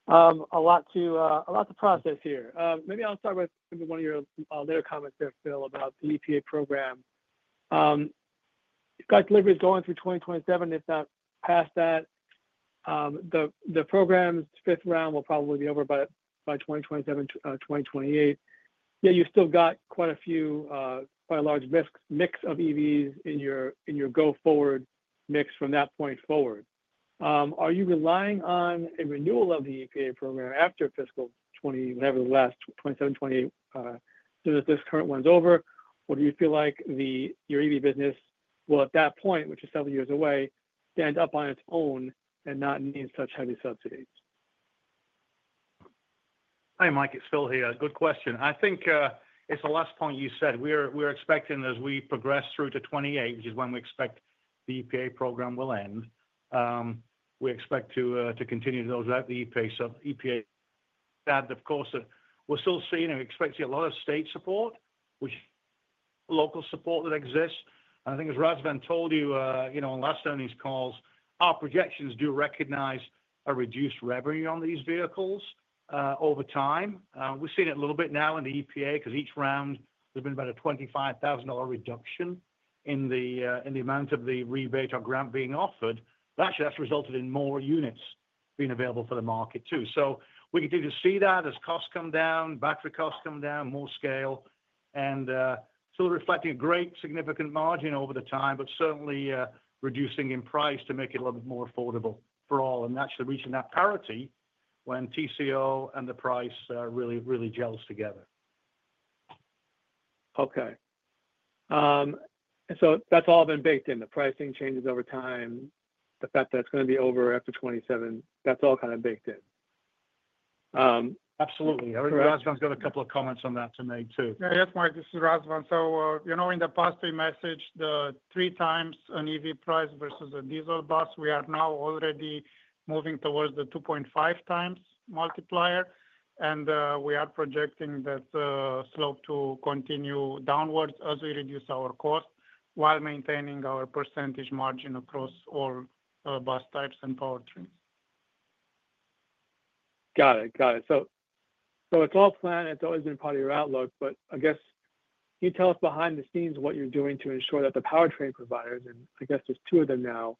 A lot to process here. Maybe I'll start with maybe one of your later comments, Phil, about the EPA program. Got deliveries going through 2027, if not past that. The program's fifth round will probably be over by 2027, 2028. Yeah, you've still got quite a few, quite a large mix of EVs in your go-forward mix from that point forward. Are you relying on a renewal of the EPA program after fiscal 20, whatever the last 27, 28, soon as this current one's over? Or do you feel like your EV business will, at that point, which is several years away, stand up on its own and not need such heavy subsidies? Hi, Mike. It's Phil here. Good question. I think it's the last point you said. We're expecting, as we progress through to 28, which is when we expect the EPA program will end, we expect to continue to build out the EPA. So EPA said, of course, we're still seeing and expecting a lot of state support, which local support that exists. And I think, as Razvan told you on last earnings calls, our projections do recognize a reduced revenue on these vehicles over time. We're seeing it a little bit now in the EPA because each round there's been about a $25,000 reduction in the amount of the rebate or grant being offered. Actually, that's resulted in more units being available for the market too. So we continue to see that as costs come down, battery costs come down, more scale, and still reflecting a great significant margin over the time, but certainly reducing in price to make it a little bit more affordable for all. And that's reaching that parity when TCO and the price really, really gels together. Okay. So that's all been baked in, the pricing changes over time, the fact that it's going to be over after 27. That's all kind of baked in. Absolutely. I think Razvan's got a couple of comments on that to make too. Yes, Mike. This is Razvan. So in the past, we messaged the three times an EV price versus a diesel bus. We are now already moving towards the 2.5 times multiplier, and we are projecting that slope to continue downwards as we reduce our cost while maintaining our percentage margin across all bus types and powertrains Got it. Got it. So it's all planned. It's always been part of your outlook. But I guess can you tell us behind the scenes what you're doing to ensure that the powertrain providers, and I guess there's two of them now,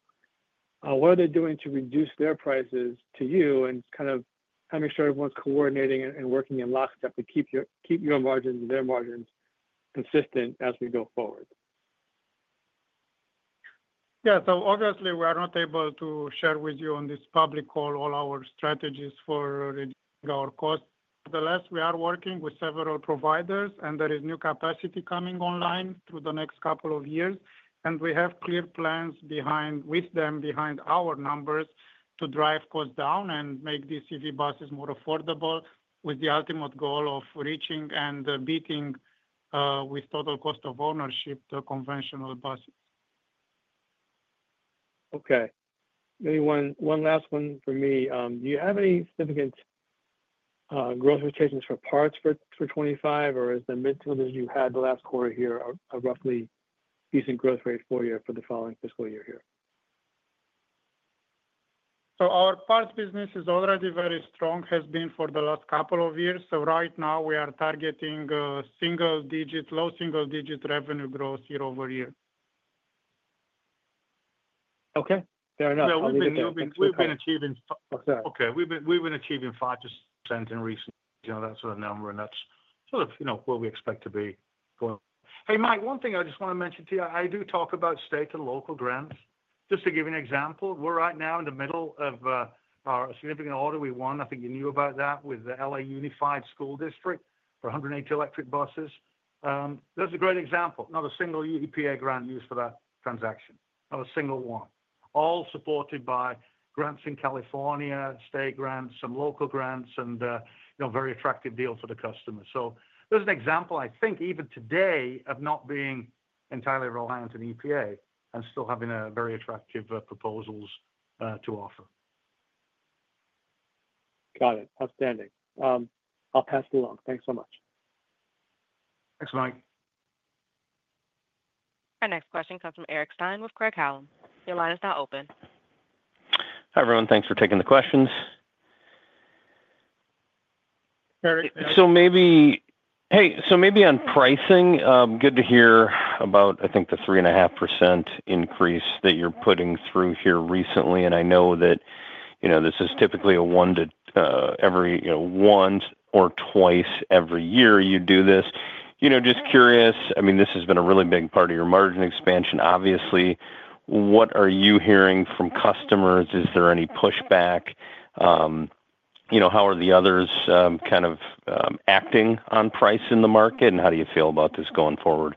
what are they doing to reduce their prices to you and kind of how to make sure everyone's coordinating and working in lockstep to keep your margins and their margins consistent as we go forward? Yeah. So obviously, we are not able to share with you on this public call all our strategies for reducing our costs. Nevertheless, we are working with several providers, and there is new capacity coming online through the next couple of years. And we have clear plans with them behind our numbers to drive costs down and make these EV buses more affordable, with the ultimate goal of reaching and beating with total cost of ownership the conventional buses. Okay. Maybe one last one for me. Do you have any significant growth expectations for parts for 25, or is the mid-term that you had the last quarter here a roughly decent growth rate for you for the following fiscal year here? So our parts business is already very strong, has been for the last couple of years. So right now, we are targeting low single-digit revenue growth year over year. Okay. Fair enough. We've been achieving 5%. Okay. We've been achieving 5% in recent years. That's the number, and that's sort of where we expect to be going. Hey, Mike, one thing I just want to mention to you, I do talk about state and local grants. Just to give you an example, we're right now in the middle of a significant order we won. I think you knew about that with the Los Angeles Unified School District for 180 electric buses. That's a great example. Not a single EPA grant used for that transaction. Not a single one. All supported by grants in California, state grants, some local grants, and a very attractive deal for the customer. So there's an example, I think, even today of not being entirely reliant on EPA and still having very attractive proposals to offer. Got it. Outstanding. I'll pass the floor. Thanks so much. Thanks, Mike. Our next question comes from Eric Stine with Craig-Hallum. Your line is now open. Hi, everyone. Thanks for taking the questions. Hey, so maybe on pricing, good to hear about, I think, the 3.5% increase that you're putting through here recently. And I know that this is typically a one to every once or twice every year you do this. Just curious, I mean, this has been a really big part of your margin expansion, obviously. What are you hearing from customers? Is there any pushback? How are the others kind of acting on price in the market? and how do you feel about this going forward?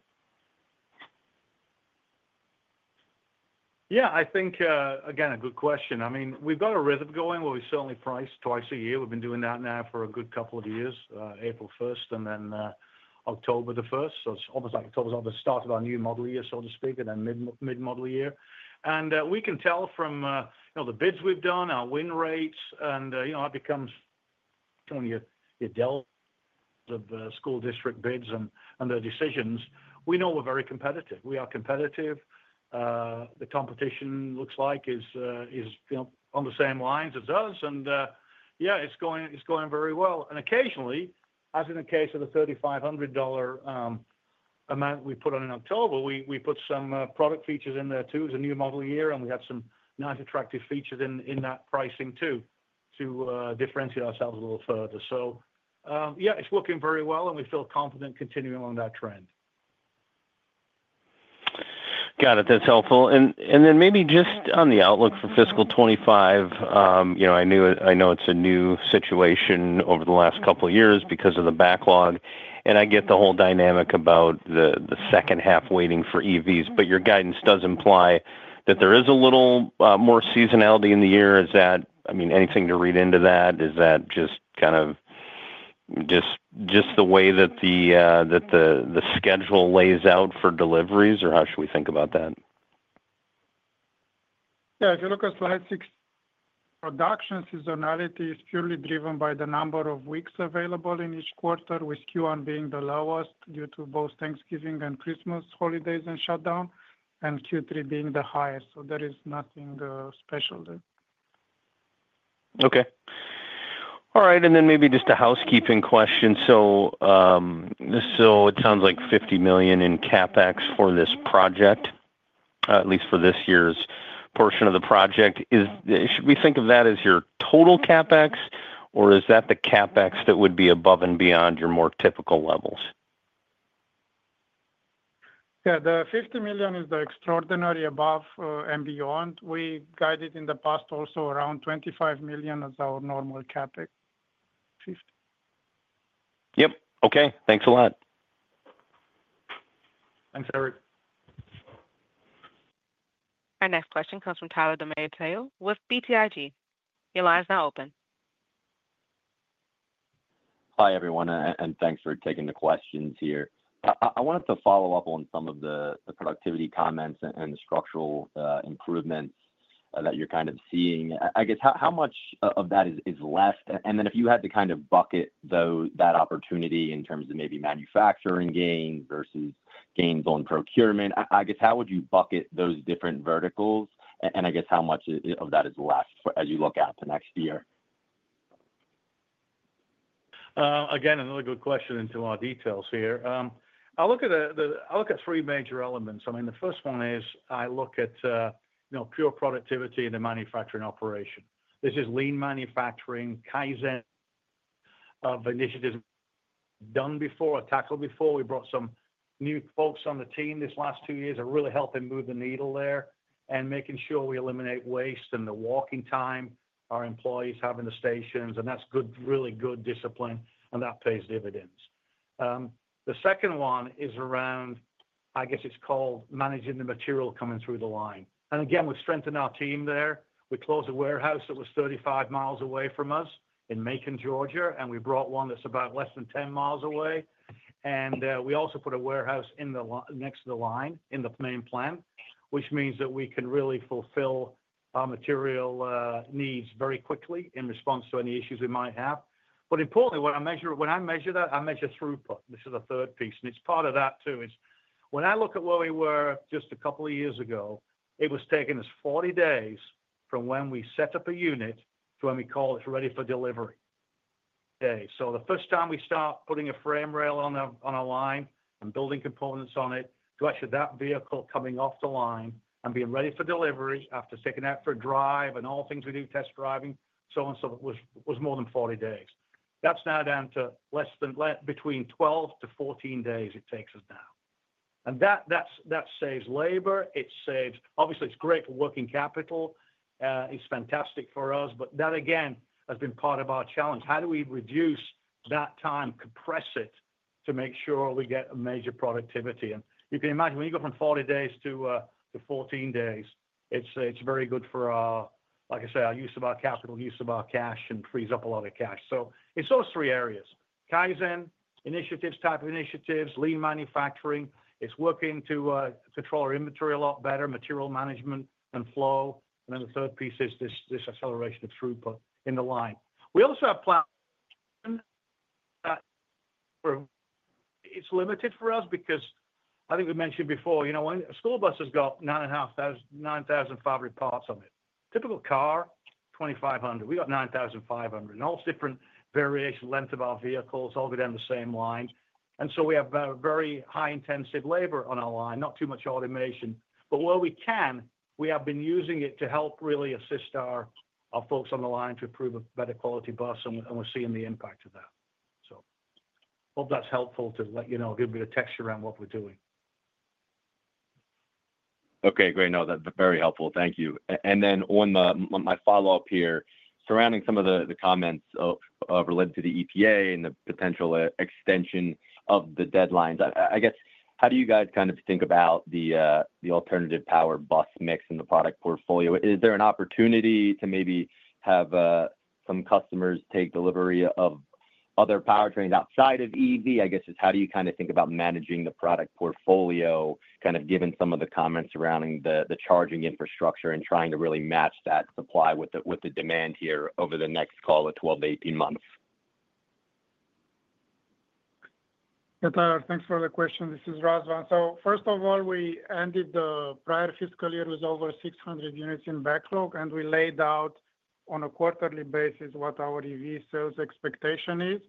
Yeah. I think, again, a good question. I mean, we've got a rhythm going where we certainly price twice a year. We've been doing that now for a good couple of years, April 1st and then October the 1st. It's almost like October's almost started our new model year, so to speak, and then mid-model year. And we can tell from the bids we've done, our win rates, and it becomes showing your delta of school district bids and their decisions. We know we're very competitive. We are competitive. The competition, it looks like, is on the same lines as us. And yeah, it's going very well. And occasionally, as in the case of the $3,500 amount we put on in October, we put some product features in there too. It's a new model year, and we have some nice attractive features in that pricing too to differentiate ourselves a little further. So yeah, it's working very well, and we feel confident continuing along that trend. Got it. That's helpful. And then maybe just on the outlook for fiscal 2025, I know it's a new situation over the last couple of years because of the backlog, and I get the whole dynamic about the second half waiting for EVs, but your guidance does imply that there is a little more seasonality in the year. I mean, anything to read into that? Is that just kind of just the way that the schedule lays out for deliveries, or how should we think about that? Yeah. If you look at slide 16, production seasonality is purely driven by the number of weeks available in each quarter, with Q1 being the lowest due to both Thanksgiving and Christmas holidays and shutdown, and Q3 being the highest. So there is nothing special there. Okay. All right. And then maybe just a housekeeping question. So it sounds like $50 million in CapEx for this project, at least for this year's portion of the project. Should we think of that as your total CapEx, or is that the CapEx that would be above and beyond your more typical levels? Yeah. The $50 million is the extraordinary above and beyond. We guided in the past also around $25 million as our normal CapEx. 150. Yep. Okay. Thanks a lot. Thanks, Eric. Our next question comes from Tyler DiMatteo with BTIG. Your line is now open. Hi, everyone, and thanks for taking the questions here. I wanted to follow up on some of the productivity comments and structural improvements that you're kind of seeing. I guess how much of that is left? And then, if you had to kind of bucket that opportunity in terms of maybe manufacturing gains versus gains on procurement, I guess how would you bucket those different verticals? And I guess how much of that is left as you look out to next year? Again, another good question into our details here. I'll look at three major elements. I mean, the first one is I look at pure productivity in the manufacturing operation. This is lean manufacturing, Kaizen of initiatives done before or tackled before. We brought some new folks on the team this last two years that really helped them move the needle there and making sure we eliminate waste and the walking time, our employees having the stations. And that's really good discipline, and that pays dividends. The second one is around, I guess it's called managing the material coming through the line. And again, we've strengthened our team there. We closed a warehouse that was 35 miles away from us in Macon, Georgia, and we brought one that's about less than 10 miles away. And we also put a warehouse next to the line in the main plant, which means that we can really fulfill our material needs very quickly in response to any issues we might have. But importantly, when I measure that, I measure throughput. This is the third piece. And it's part of that too is when I look at where we were just a couple of years ago, it was taken as 40 days from when we set up a unit to when we call it ready for delivery days. So the first time we start putting a frame rail on a line and building components on it to actually that vehicle coming off the line and being ready for delivery after taking out for a drive and all things we do, test driving, so and so forth, was more than 40 days. That's now down to between 12 to 14 days it takes us now. And that saves labor. Obviously, it's great for working capital. It's fantastic for us. But that, again, has been part of our challenge. How do we reduce that time, compress it to make sure we get a major productivity? And you can imagine when you go from 40 days to 14 days, it's very good for, like I say, our use of our capital, use of our cash, and frees up a lot of cash. So it's those three areas: Kaizen initiatives, type of initiatives, lean manufacturing. It's working to control our inventory a lot better, material management and flow. And then the third piece is this acceleration of throughput in the line. We also have plans that it's limited for us because I think we mentioned before, a school bus has got 9,500 parts on it. Typical car, 2,500. We got 9,500. And all different variations, length of our vehicles, all of it on the same line. And so we have very high-intensive labor on our line, not too much automation. But where we can, we have been using it to help really assist our folks on the line to improve a better quality bus, and we're seeing the impact of that. So hope that's helpful to give you a texture around what we're doing. Okay. Great. No, that's very helpful. Thank you. And then on my follow-up here, surrounding some of the comments related to the EPA and the potential extension of the deadlines, I guess, how do you guys kind of think about the alternative power bus mix in the product portfolio? Is there an opportunity to maybe have some customers take delivery of other powertrains outside of EV? I guess just how do you kind of think about managing the product portfolio, kind of given some of the comments surrounding the charging infrastructure and trying to really match that supply with the demand here over the next, call it, 12-18 months? Yeah. Thanks for the question. This is Razvan. So first of all, we ended the prior fiscal year with over 600 units in backlog, and we laid out on a quarterly basis what our EV sales expectation is.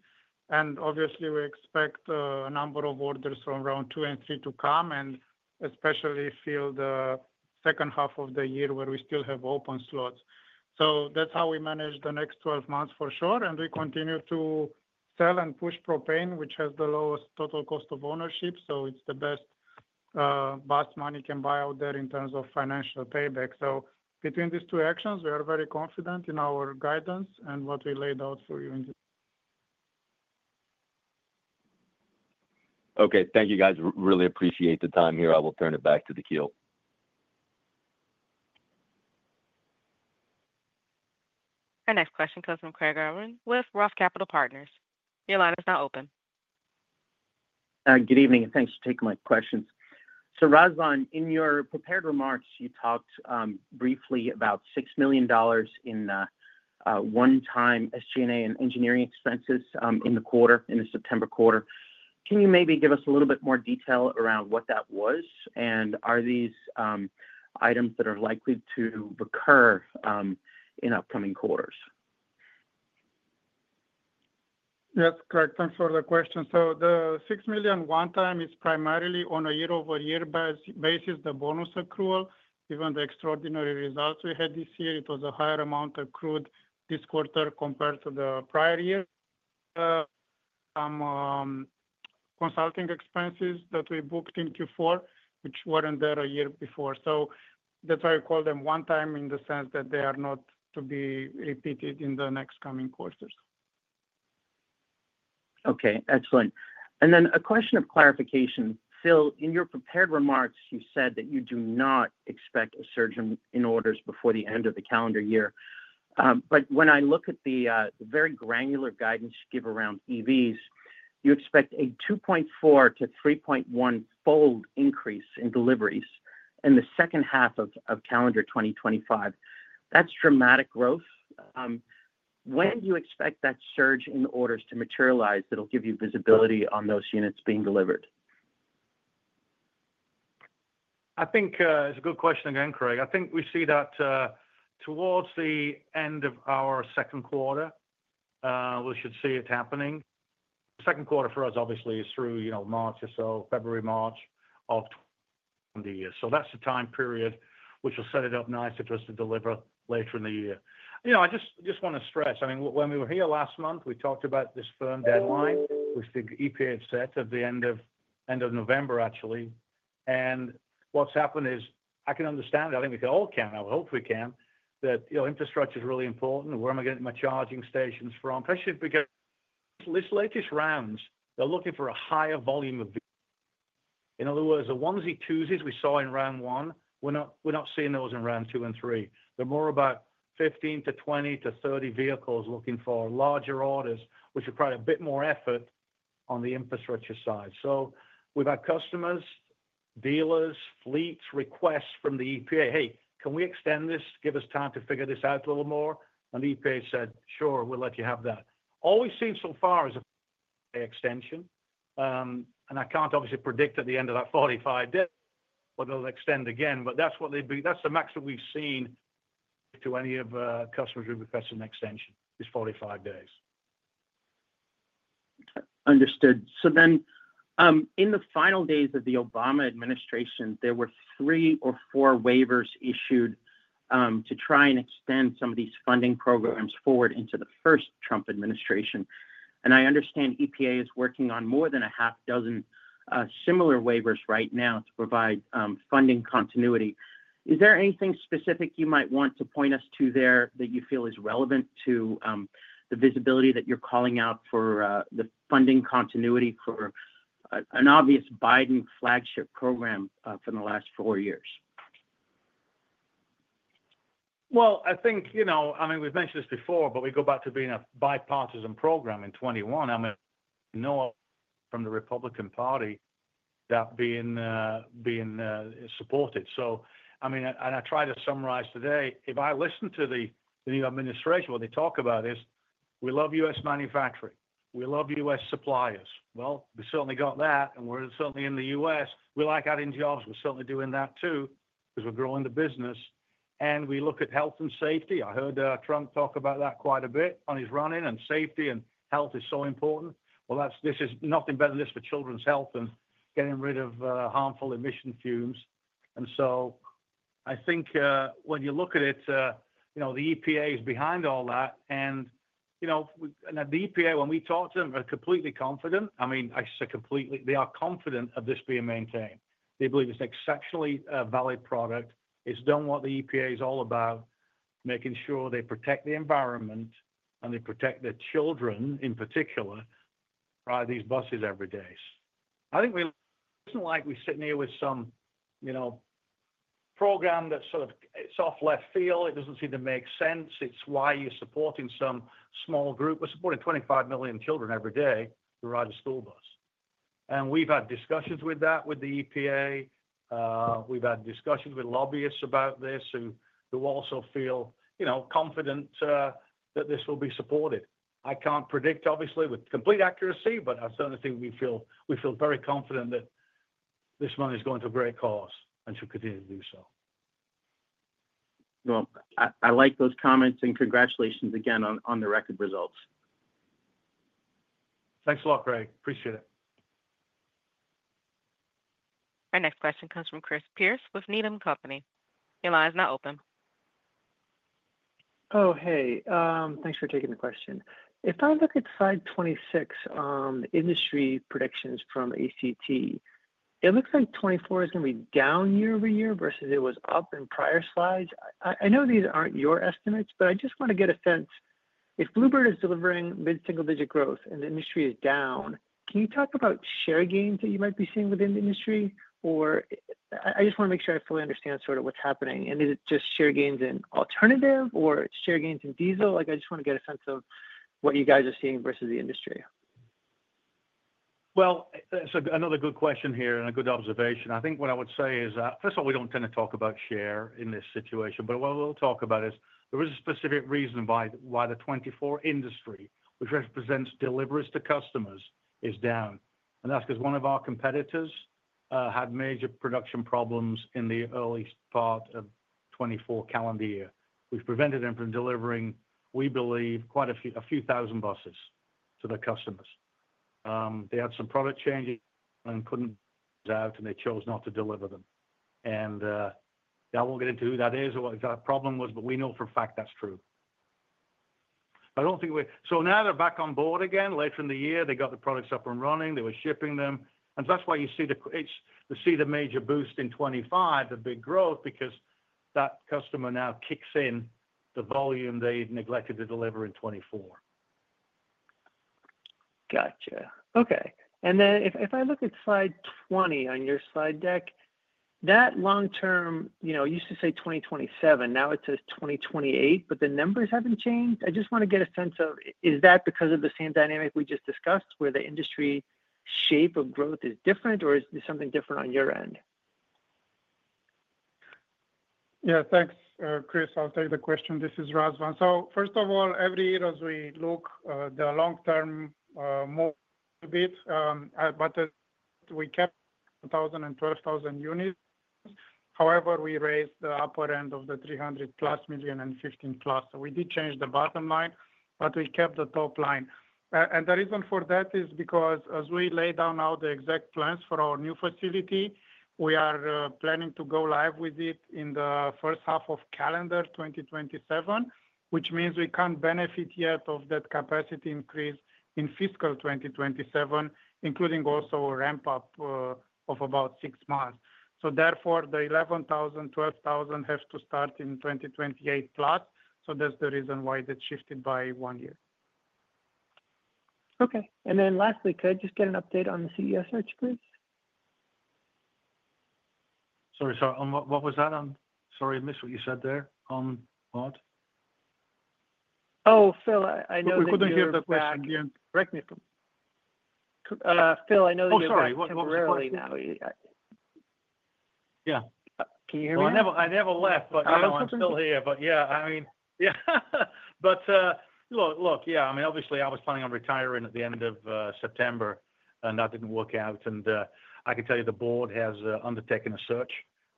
And obviously, we expect a number of orders from round two and three to come, and especially fill the second half of the year where we still have open slots. So that's how we manage the next 12 months for sure. And we continue to sell and push propane, which has the lowest total cost of ownership. So it's the best bus money can buy out there in terms of financial payback. So between these two actions, we are very confident in our guidance and what we laid out for you. Okay. Thank you, guys. Really appreciate the time here. I will turn it back to the queue. Our next question comes from Craig Irwin with Roth Capital Partners. Your line is now open. Good evening, and thanks for taking my questions. So Razvan, in your prepared remarks, you talked briefly about $6 million in one-time SG&A and engineering expenses in the quarter, in the September quarter. Can you maybe give us a little bit more detail around what that was, and are these items that are likely to recur in upcoming quarters? Yes, Craig, thanks for the question. So the $6 million one-time is primarily on a year-over-year basis, the bonus accrual. Given the extraordinary results we had this year, it was a higher amount accrued this quarter compared to the prior year. Some consulting expenses that we booked in Q4, which weren't there a year before. So that's why we call them one-time in the sense that they are not to be repeated in the next coming quarters. Okay. Excellent. And then a question of clarification. Phil, in your prepared remarks, you said that you do not expect a surge in orders before the end of the calendar year. But when I look at the very granular guidance you give around EVs, you expect a 2.4 to 3.1-fold increase in deliveries in the second half of calendar 2025. That's dramatic growth. When do you expect that surge in orders to materialize that'll give you visibility on those units being delivered? I think it's a good question again, Craig. I think we see that towards the end of our second quarter, we should see it happening. The second quarter for us, obviously, is through March or so, February, March of the year. So that's the time period which will set it up nice for us to deliver later in the year. I just want to stress, I mean, when we were here last month, we talked about this firm deadline, which the EPA had set at the end of November, actually, and what's happened is I can understand it. I think we can all. I hope we can, that infrastructure is really important. Where am I getting my charging stations from? Especially because this latest round, they're looking for a higher volume of vehicles. In other words, the onesie-twosies we saw in round one, we're not seeing those in round two and three. They're more about 15 to 20 to 30 vehicles looking for larger orders, which require a bit more effort on the infrastructure side, so we've had customers, dealers, fleets request from the EPA, "Hey, can we extend this? Give us time to figure this out a little more," and the EPA said, "Sure, we'll let you have that." All we've seen so far is an extension, and I can't obviously predict at the end of that 45 days, but they'll extend again, but that's the maximum we've seen to any of customers who've requested an extension, is 45 days. Understood, so then in the final days of the Obama administration, there were three or four waivers issued to try and extend some of these funding programs forward into the first Trump administration, and I understand EPA is working on more than a half dozen similar waivers right now to provide funding continuity. Is there anything specific you might want to point us to there that you feel is relevant to the visibility that you're calling out for the funding continuity for an obvious Biden flagship program for the last four years? Well, I think. I mean, we've mentioned this before, but we go back to being a bipartisan program in 2021. I mean, no one from the Republican Party that being supported. So I mean, and I try to summarize today. If I listen to the new administration, what they talk about is, "We love US manufacturing. We love US. suppliers." Well, we've certainly got that, and we're certainly in the U.S.. We like adding jobs. We're certainly doing that too because we're growing the business. And we look at health and safety. I heard Trump talk about that quite a bit on his run-in, and safety and health is so important. Well, this is nothing better than this for children's health and getting rid of harmful emission fumes. And so I think when you look at it, the EPA is behind all that. And the EPA, when we talk to them, are completely confident. I mean, I say completely. They are confident of this being maintained. They believe it's an exceptionally valid product. It's done what the EPA is all about, making sure they protect the environment and they protect their children in particular, ride these buses every day. I think it's not like we're sitting here with some program that sort of it's out of left field. It doesn't seem to make sense. It's why you're supporting some small group. We're supporting 25 million children every day who ride a school bus. And we've had discussions with that, with the EPA. We've had discussions with lobbyists about this who also feel confident that this will be supported. I can't predict, obviously, with complete accuracy, but I certainly think we feel very confident that this money is going to a great cause and should continue to do so. Well, I like those comments, and congratulations again on the record results. Thanks a lot, Craig. Appreciate it. Our next question comes from Chris Pierce with Needham & Company. Your line is now open. Oh, hey. Thanks for taking the question. If I look at slide 26, industry predictions from ACT, it looks like 2024 is going to be down year over year versus it was up in prior slides. I know these aren't your estimates, but I just want to get a sense. If Blue Bird is delivering mid-single-digit growth and the industry is down, can you talk about share gains that you might be seeing within the industry? I just want to make sure I fully understand sort of what's happening. Is it just share gains in alternative or share gains in diesel? I just want to get a sense of what you guys are seeing versus the industry. So another good question here and a good observation. I think what I would say is, first of all, we don't tend to talk about share in this situation. What we'll talk about is there is a specific reason why the 2024 industry, which represents deliveries to customers, is down. And that's because one of our competitors had major production problems in the early part of 2024 calendar year, which prevented them from delivering, we believe, quite a few thousand buses to their customers. They had some product changes and couldn't get those out, and they chose not to deliver them. And I won't get into who that is or what that problem was, but we know for a fact that's true. I don't think we're so now they're back on board again. Later in the year, they got the products up and running. They were shipping them. And so that's why you see the major boost in 2025, the big growth, because that customer now kicks in the volume they neglected to deliver in 2024. Gotcha. Okay. And then if I look at slide 20 on your slide deck, that long-term used to say 2027. Now it says 2028, but the numbers haven't changed. I just want to get a sense of, is that because of the same dynamic we just discussed, where the industry shape of growth is different, or is there something different on your end? Yeah. Thanks, Chris. I'll take the question. This is Razvan. So first of all, every year, as we look, the long-term move a bit. But we kept 1,000 and 12,000 units. However, we raised the upper end of the $300-plus million and $15-plus. So we did change the bottom line, but we kept the top line. The reason for that is because as we lay down now the exact plans for our new facility, we are planning to go live with it in the first half of calendar 2027, which means we can't benefit yet of that capacity increase in fiscal 2027, including also a ramp-up of about six months. Therefore, the 11,000, 12,000 have to start in 2028-plus. That's the reason why that's shifted by one year. Okay. Lastly, could I just get an update on the CEO search, please? Sorry. What was that? Sorry, I missed what you said there on what? Oh, Phil, I know that you're back. We couldn't hear the question again. Correct me. Oh, sorry. What was that? Yeah. Can you hear me? I never left, but I'm still here. But yeah, I mean, yeah. But look, yeah. I mean, obviously, I was planning on retiring at the end of September, and that didn't work out. And I can tell you the board has undertaken a search,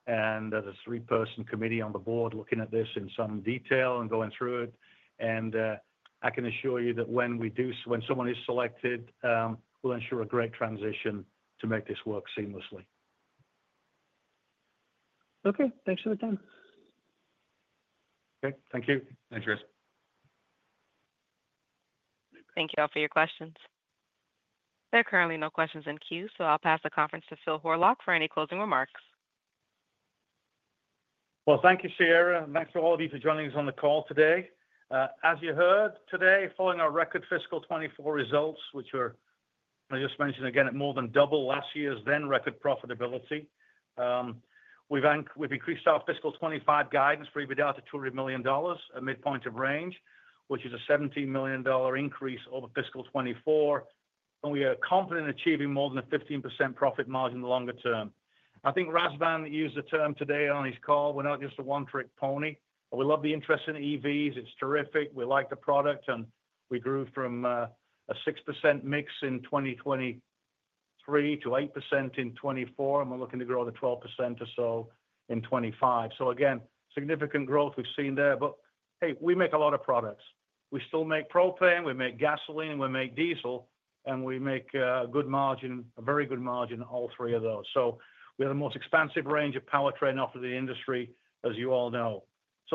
and there's a three-person committee on the board looking at this in some detail and going through it. And I can assure you that when someone is selected, we'll ensure a great transition to make this work seamlessly. Okay. Thanks for the time. Okay. Thank you. Thanks, Chris. Thank you all for your questions. There are currently no questions in queue, so I'll pass the conference to Phil Horlock for any closing remarks. Well, thank you, Sierra. And thanks to all of you for joining us on the call today. As you heard, today, following our record fiscal 2024 results, which were, as I just mentioned, again, at more than double last year's then-record profitability, we've increased our fiscal 2025 guidance for EBITDA to $200 million, the midpoint of the range, which is a $17 million increase over fiscal 2024. We are confident in achieving more than a 15% profit margin in the longer term. I think Razvan used the term today on his call. We're not just a one-trick pony. We love the interest in EVs. It's terrific. We like the product. We grew from a 6% mix in 2023 to 8% in 2024, and we're looking to grow to 12% or so in 2025. Again, significant growth we've seen there. But hey, we make a lot of products. We still make propane. We make gasoline. We make diesel. We make a good margin, a very good margin in all three of those. We have the most expansive range of powertrain offered in the industry, as you all know.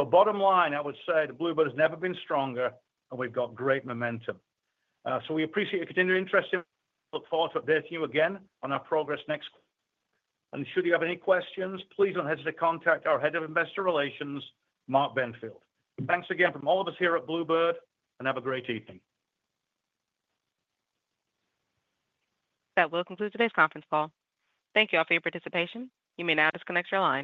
Bottom line, I would say the Blue Bird has never been stronger, and we've got great momentum. We appreciate your continued interest. Look forward to updating you again on our progress next quarter. Should you have any questions, please don't hesitate to contact our head of investor relations, Mark Benfield. Thanks again from all of us here at Blue Bird, and have a great evening. That will conclude today's conference call. Thank you all for your participation. You may now disconnect your line.